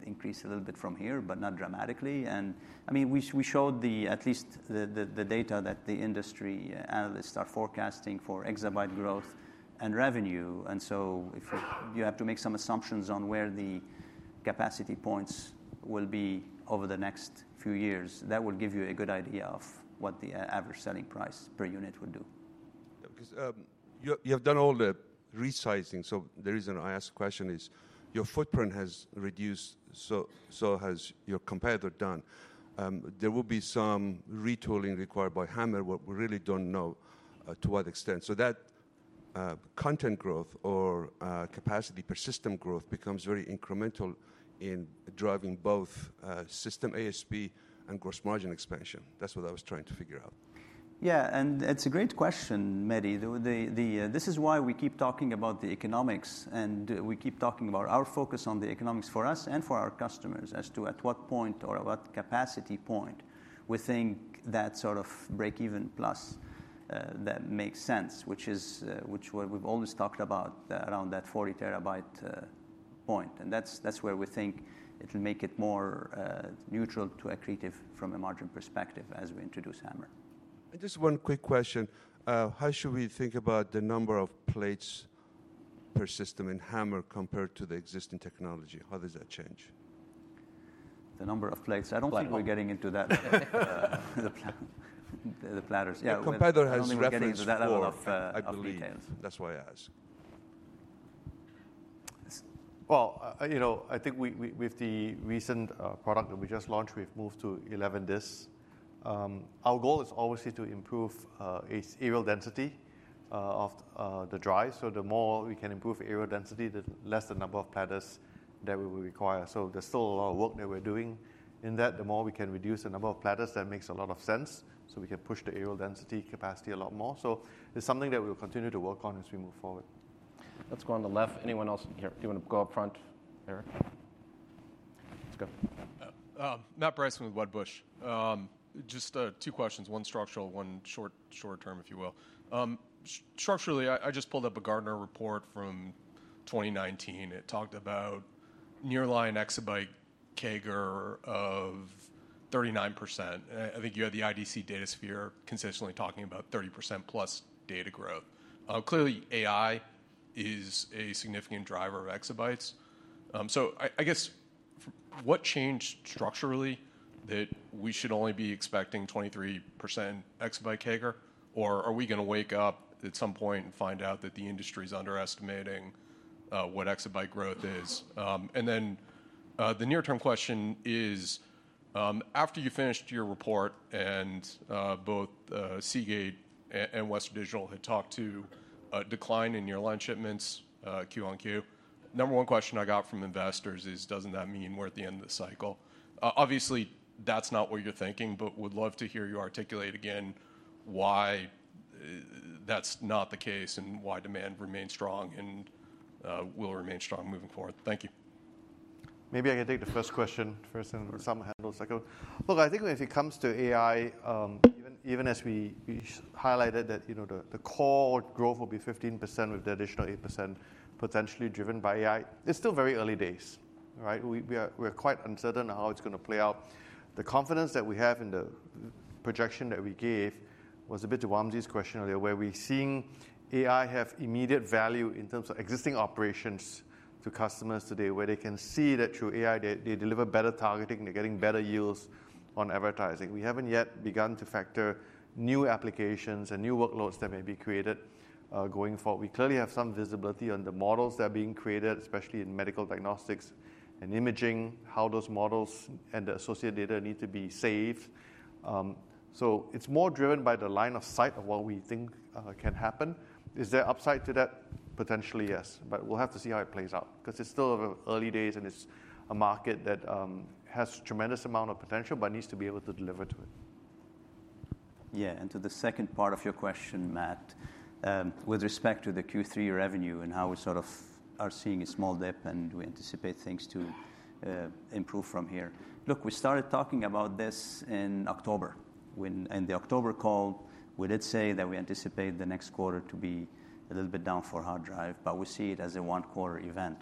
increase a little bit from here, but not dramatically. And I mean, we showed at least the data that the industry analysts are forecasting for exabyte growth and revenue. And so if you have to make some assumptions on where the capacity points will be over the next few years, that will give you a good idea of what the average selling price per unit would do. Because you have done all the resizing. So the reason I asked the question is your footprint has reduced, so has your competitor done. There will be some retooling required by HAMR, but we really don't know to what extent. So that content growth or capacity per system growth becomes very incremental in driving both system ASP and gross margin expansion. That's what I was trying to figure out. Yeah, and it's a great question, Mehdi. This is why we keep talking about the economics, and we keep talking about our focus on the economics for us and for our customers as to at what point or at what capacity point we think that sort of break-even plus that makes sense, which is what we've always talked about around that 40 terabyte point, and that's where we think it'll make it more neutral to accretive from a margin perspective as we introduce HAMR. Just one quick question. How should we think about the number of plates per system in HAMR compared to the existing technology? How does that change? The number of plates? I don't think we're getting into that. The platters. Yeah, competitor has referenced that level of details. That's why I ask. I think with the recent product that we just launched, we've moved to 11 disks. Our goal is obviously to improve areal density of the drive, so the more we can improve areal density, the less the number of platters that we will require. So there's still a lot of work that we're doing in that. The more we can reduce the number of platters, that makes a lot of sense, so we can push the areal density capacity a lot more. So it's something that we will continue to work on as we move forward. Let's go on the left. Anyone else here? Do you want to go up front, Eric? Let's go. Matt Bryson with Wedbush Securities. Just two questions, one structural, one short term, if you will. Structurally, I just pulled up a Gartner report from 2019. It talked about nearline exabyte CAGR of 39%. I think you had the IDC DataSphere consistently talking about 30% plus data growth. Clearly, AI is a significant driver of exabytes. So I guess, what changed structurally that we should only be expecting 23% exabyte CAGR? Or are we going to wake up at some point and find out that the industry is underestimating what exabyte growth is? And then the near-term question is, after you finished your report and both Seagate and Western Digital had talked to decline in nearline shipments, Q on Q, number one question I got from investors is, doesn't that mean we're at the end of the cycle? Obviously, that's not what you're thinking, but would love to hear you articulate again why that's not the case and why demand remains strong and will remain strong moving forward. Thank you. Maybe I can take the first question. First, and Wissam handles that. Look, I think when it comes to AI, even as we highlighted that the cloud growth will be 15% with the additional 8% potentially driven by AI, it's still very early days. We're quite uncertain on how it's going to play out. The confidence that we have in the projection that we gave was a bit to Wamsi's question earlier, where we're seeing AI have immediate value in terms of existing operations to customers today, where they can see that through AI, they deliver better targeting, they're getting better yields on advertising. We haven't yet begun to factor new applications and new workloads that may be created going forward. We clearly have some visibility on the models that are being created, especially in medical diagnostics and imaging, how those models and the associated data need to be saved. It's more driven by the line of sight of what we think can happen. Is there upside to that? Potentially, yes. But we'll have to see how it plays out because it's still early days and it's a market that has a tremendous amount of potential but needs to be able to deliver to it. Yeah, and to the second part of your question, Matt, with respect to the Q3 revenue and how we sort of are seeing a small dip and we anticipate things to improve from here. Look, we started talking about this in October. In the October call, we did say that we anticipate the next quarter to be a little bit down for hard drive, but we see it as a one-quarter event.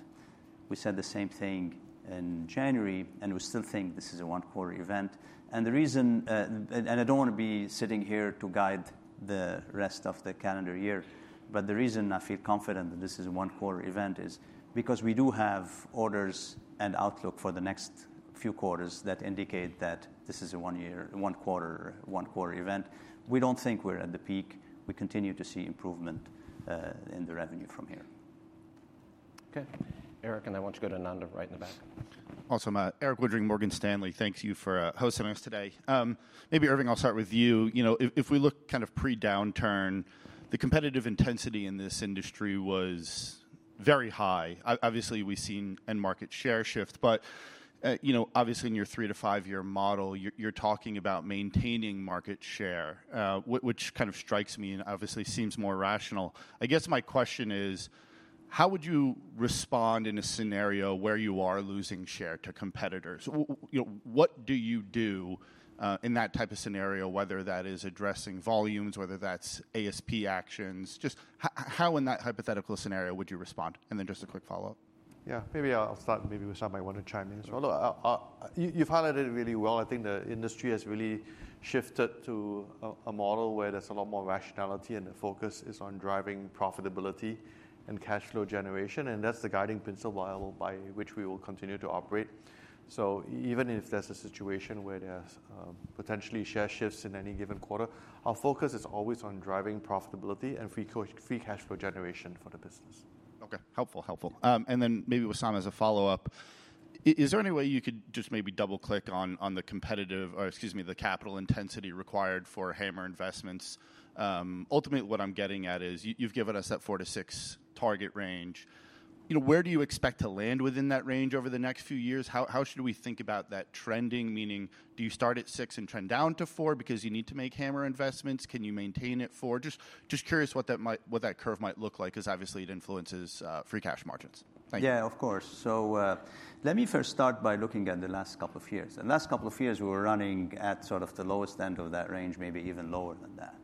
We said the same thing in January, and we still think this is a one-quarter event. And the reason, and I don't want to be sitting here to guide the rest of the calendar year, but the reason I feel confident that this is a one-quarter event is because we do have orders and outlook for the next few quarters that indicate that this is a one-quarter event. We don't think we're at the peak. We continue to see improvement in the revenue from here. Okay. Eric, and then I want you to go to Ananda right in the back. Awesome. Eric Woodring, Morgan Stanley, thank you for hosting us today. Maybe Irving, I'll start with you. If we look kind of pre-downturn, the competitive intensity in this industry was very high. Obviously, we've seen end market share shift, but obviously in your three- to five-year model, you're talking about maintaining market share, which kind of strikes me and obviously seems more rational. I guess my question is, how would you respond in a scenario where you are losing share to competitors? What do you do in that type of scenario, whether that is addressing volumes, whether that's ASP actions? Just how in that hypothetical scenario would you respond? And then just a quick follow-up. Yeah, maybe I'll start with someone who wants to chime in as well. Look, you've highlighted it really well. I think the industry has really shifted to a model where there's a lot more rationality and the focus is on driving profitability and cash flow generation, and that's the guiding principle by which we will continue to operate, so even if there's a situation where there's potentially share shifts in any given quarter, our focus is always on driving profitability and free cash flow generation for the business. Okay, helpful, helpful. And then maybe Wissam, as a follow-up, is there any way you could just maybe double-click on the competitive, or excuse me, the capital intensity required for HAMR investments? Ultimately, what I'm getting at is you've given us that four to six target range. Where do you expect to land within that range over the next few years? How should we think about that trending? Meaning, do you start at six and trend down to four because you need to make HAMR investments? Can you maintain it four? Just curious what that curve might look like because obviously it influences free cash margins. Thank you. Yeah, of course. So let me first start by looking at the last couple of years. The last couple of years we were running at sort of the lowest end of that range, maybe even lower than that.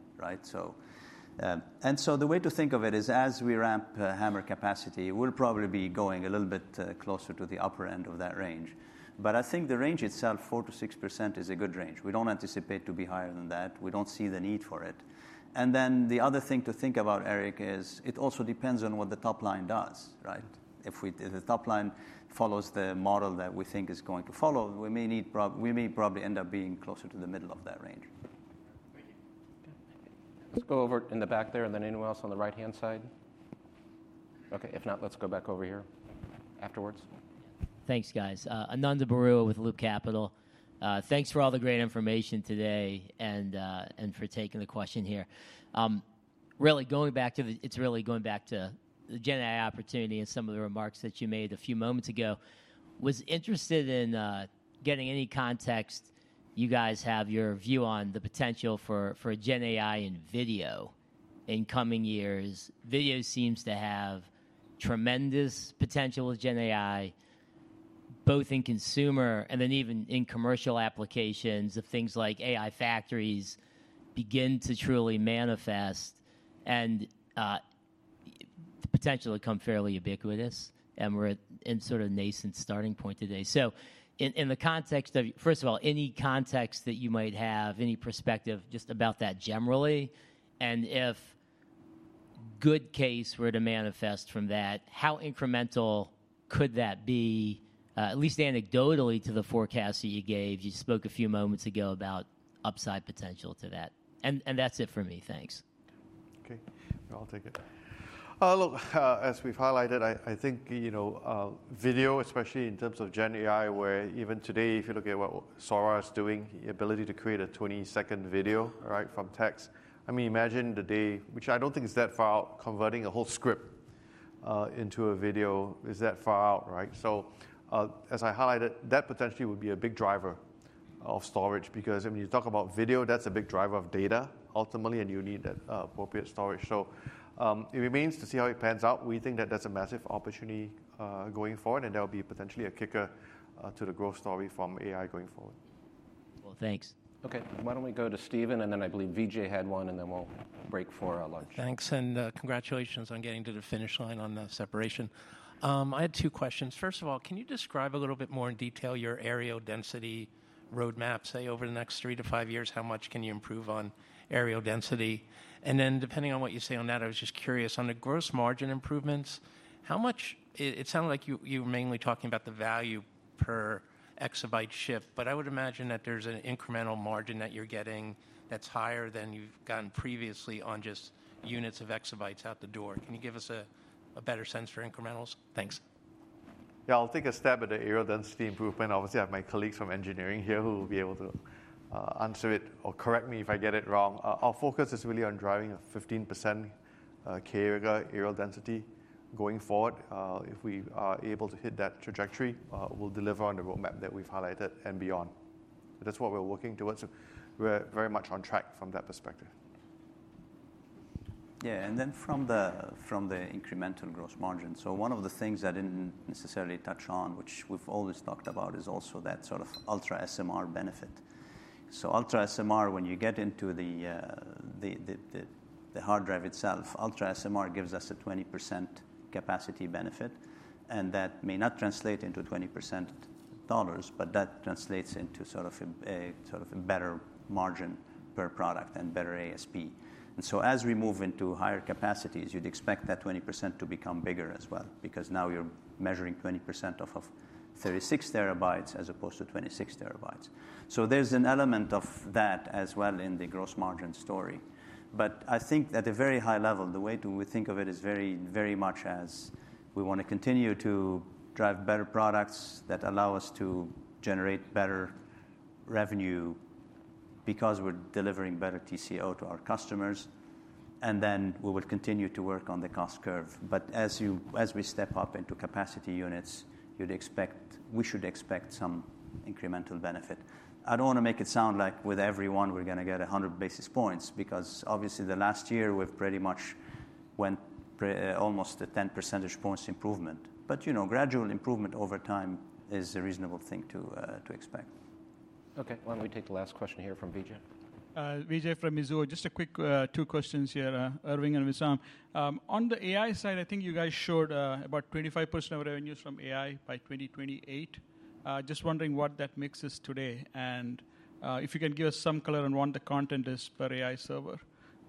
And so the way to think of it is as we ramp HAMR capacity, we'll probably be going a little bit closer to the upper end of that range. But I think the range itself, 4%-6%, is a good range. We don't anticipate to be higher than that. We don't see the need for it. And then the other thing to think about, Eric, is it also depends on what the top line does. If the top line follows the model that we think is going to follow, we may probably end up being closer to the middle of that range. Thank you. Let's go over in the back there. And then anyone else on the right-hand side? Okay, if not, let's go back over here afterwards. Thanks, guys. Ananda Baruah with Loop Capital. Thanks for all the great information today and for taking the question here. Really going back to the Gen AI opportunity and some of the remarks that you made a few moments ago, I was interested in getting any context you guys have, your view on the potential for Gen AI in video in coming years. Video seems to have tremendous potential with Gen AI, both in consumer and then even in commercial applications of things like AI factories begin to truly manifest and the potential to become fairly ubiquitous. And we're in sort of nascent starting point today. So in the context of, first of all, any context that you might have, any perspective just about that generally, and if good case were to manifest from that, how incremental could that be, at least anecdotally to the forecast that you gave? You spoke a few moments ago about upside potential to that, and that's it for me. Thanks. Okay, I'll take it. Look, as we've highlighted, I think video, especially in terms of Gen AI, where even today, if you look at what Sora is doing, the ability to create a 20-second video from text, I mean, imagine the day, which I don't think is that far out, converting a whole script into a video is that far out. So as I highlighted, that potentially would be a big driver of storage because when you talk about video, that's a big driver of data ultimately, and you need that appropriate storage. So it remains to see how it pans out. We think that that's a massive opportunity going forward, and that will be potentially a kicker to the growth story from AI going forward. Well, thanks. Okay, why don't we go to Steven, and then I believe Vijay had one, and then we'll break for lunch. Thanks, and congratulations on getting to the finish line on the separation. I had two questions. First of all, can you describe a little bit more in detail your areal density roadmap, say, over the next three to five years, how much can you improve on areal density? And then depending on what you say on that, I was just curious on the gross margin improvements, how much it sounded like you were mainly talking about the value per exabyte shift, but I would imagine that there's an incremental margin that you're getting that's higher than you've gotten previously on just units of exabytes out the door. Can you give us a better sense for incrementals? Thanks. Yeah, I'll take a stab at the areal density improvement. Obviously, I have my colleagues from engineering here who will be able to answer it or correct me if I get it wrong. Our focus is really on driving a 15% CAGR areal density going forward. If we are able to hit that trajectory, we'll deliver on the roadmap that we've highlighted and beyond. That's what we're working towards. We're very much on track from that perspective. Yeah, and then from the incremental gross margin, so one of the things I didn't necessarily touch on, which we've always talked about, is also that sort of UltraSMR benefit. So UltraSMR, when you get into the hard drive itself, UltraSMR gives us a 20% capacity benefit. And that may not translate into 20% dollars, but that translates into sort of a better margin per product and better ASP. And so as we move into higher capacities, you'd expect that 20% to become bigger as well because now you're measuring 20% off of 36 terabytes as opposed to 26 terabytes. So there's an element of that as well in the gross margin story. But I think at a very high level, the way we think of it is very much as we want to continue to drive better products that allow us to generate better revenue because we're delivering better TCO to our customers. And then we will continue to work on the cost curve. But as we step up into capacity units, we should expect some incremental benefit. I don't want to make it sound like with everyone we're going to get 100 basis points because obviously the last year we've pretty much went almost to 10 percentage points improvement. But gradual improvement over time is a reasonable thing to expect. Okay, why don't we take the last question here from Vijay? Vijay from Mizuho, just a quick two questions here, Irving and Wissam. On the AI side, I think you guys showed about 25% of revenues from AI by 2028. Just wondering what that mix is today and if you can give us some color on what the content is per AI server.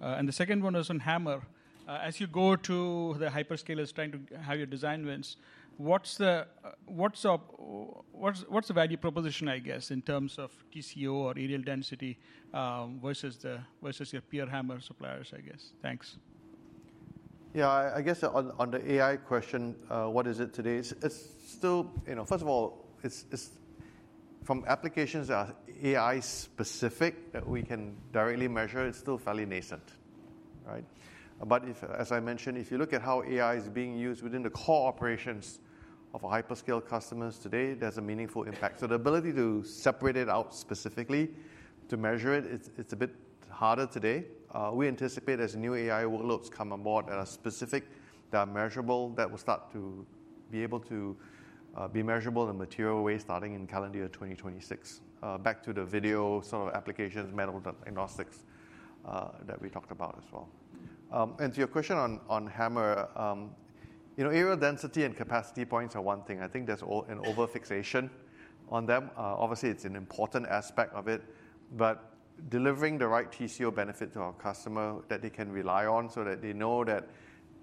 And the second one is on HAMR. As you go to the hyperscalers trying to have your design wins, what's the value proposition, I guess, in terms of TCO or areal density versus your peer HAMR suppliers, I guess? Thanks. Yeah, I guess on the AI question, what is it today? First of all, from applications that are AI specific that we can directly measure, it's still fairly nascent. But as I mentioned, if you look at how AI is being used within the core operations of hyperscale customers today, there's a meaningful impact. So the ability to separate it out specifically to measure it, it's a bit harder today. We anticipate as new AI workloads come on board that are specific, that are measurable, that will start to be able to be measurable in a material way starting in calendar year 2026. Back to the video sort of applications, medical diagnostics that we talked about as well. And to your question on HAMR, areal density and capacity points are one thing. I think there's an overfixation on them. Obviously, it's an important aspect of it, but delivering the right TCO benefit to our customer that they can rely on so that they know that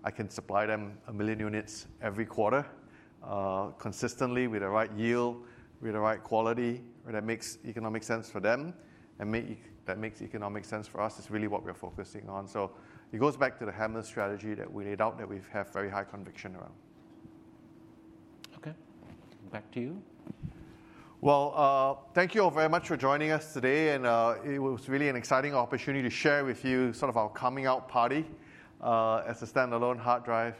I can supply them a million units every quarter consistently with the right yield, with the right quality that makes economic sense for them and that makes economic sense for us is really what we're focusing on. So it goes back to the HAMR strategy that we laid out that we have very high conviction around. Okay, back to you. Thank you all very much for joining us today, and it was really an exciting opportunity to share with you sort of our coming out party as a standalone hard drive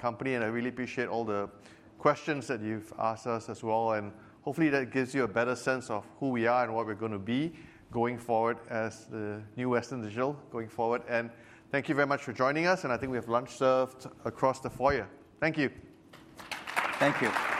company. I really appreciate all the questions that you've asked us as well, and hopefully that gives you a better sense of who we are and what we're going to be going forward as the new Western Digital going forward. Thank you very much for joining us, and I think we have lunch served across the foyer. Thank you. Thank you.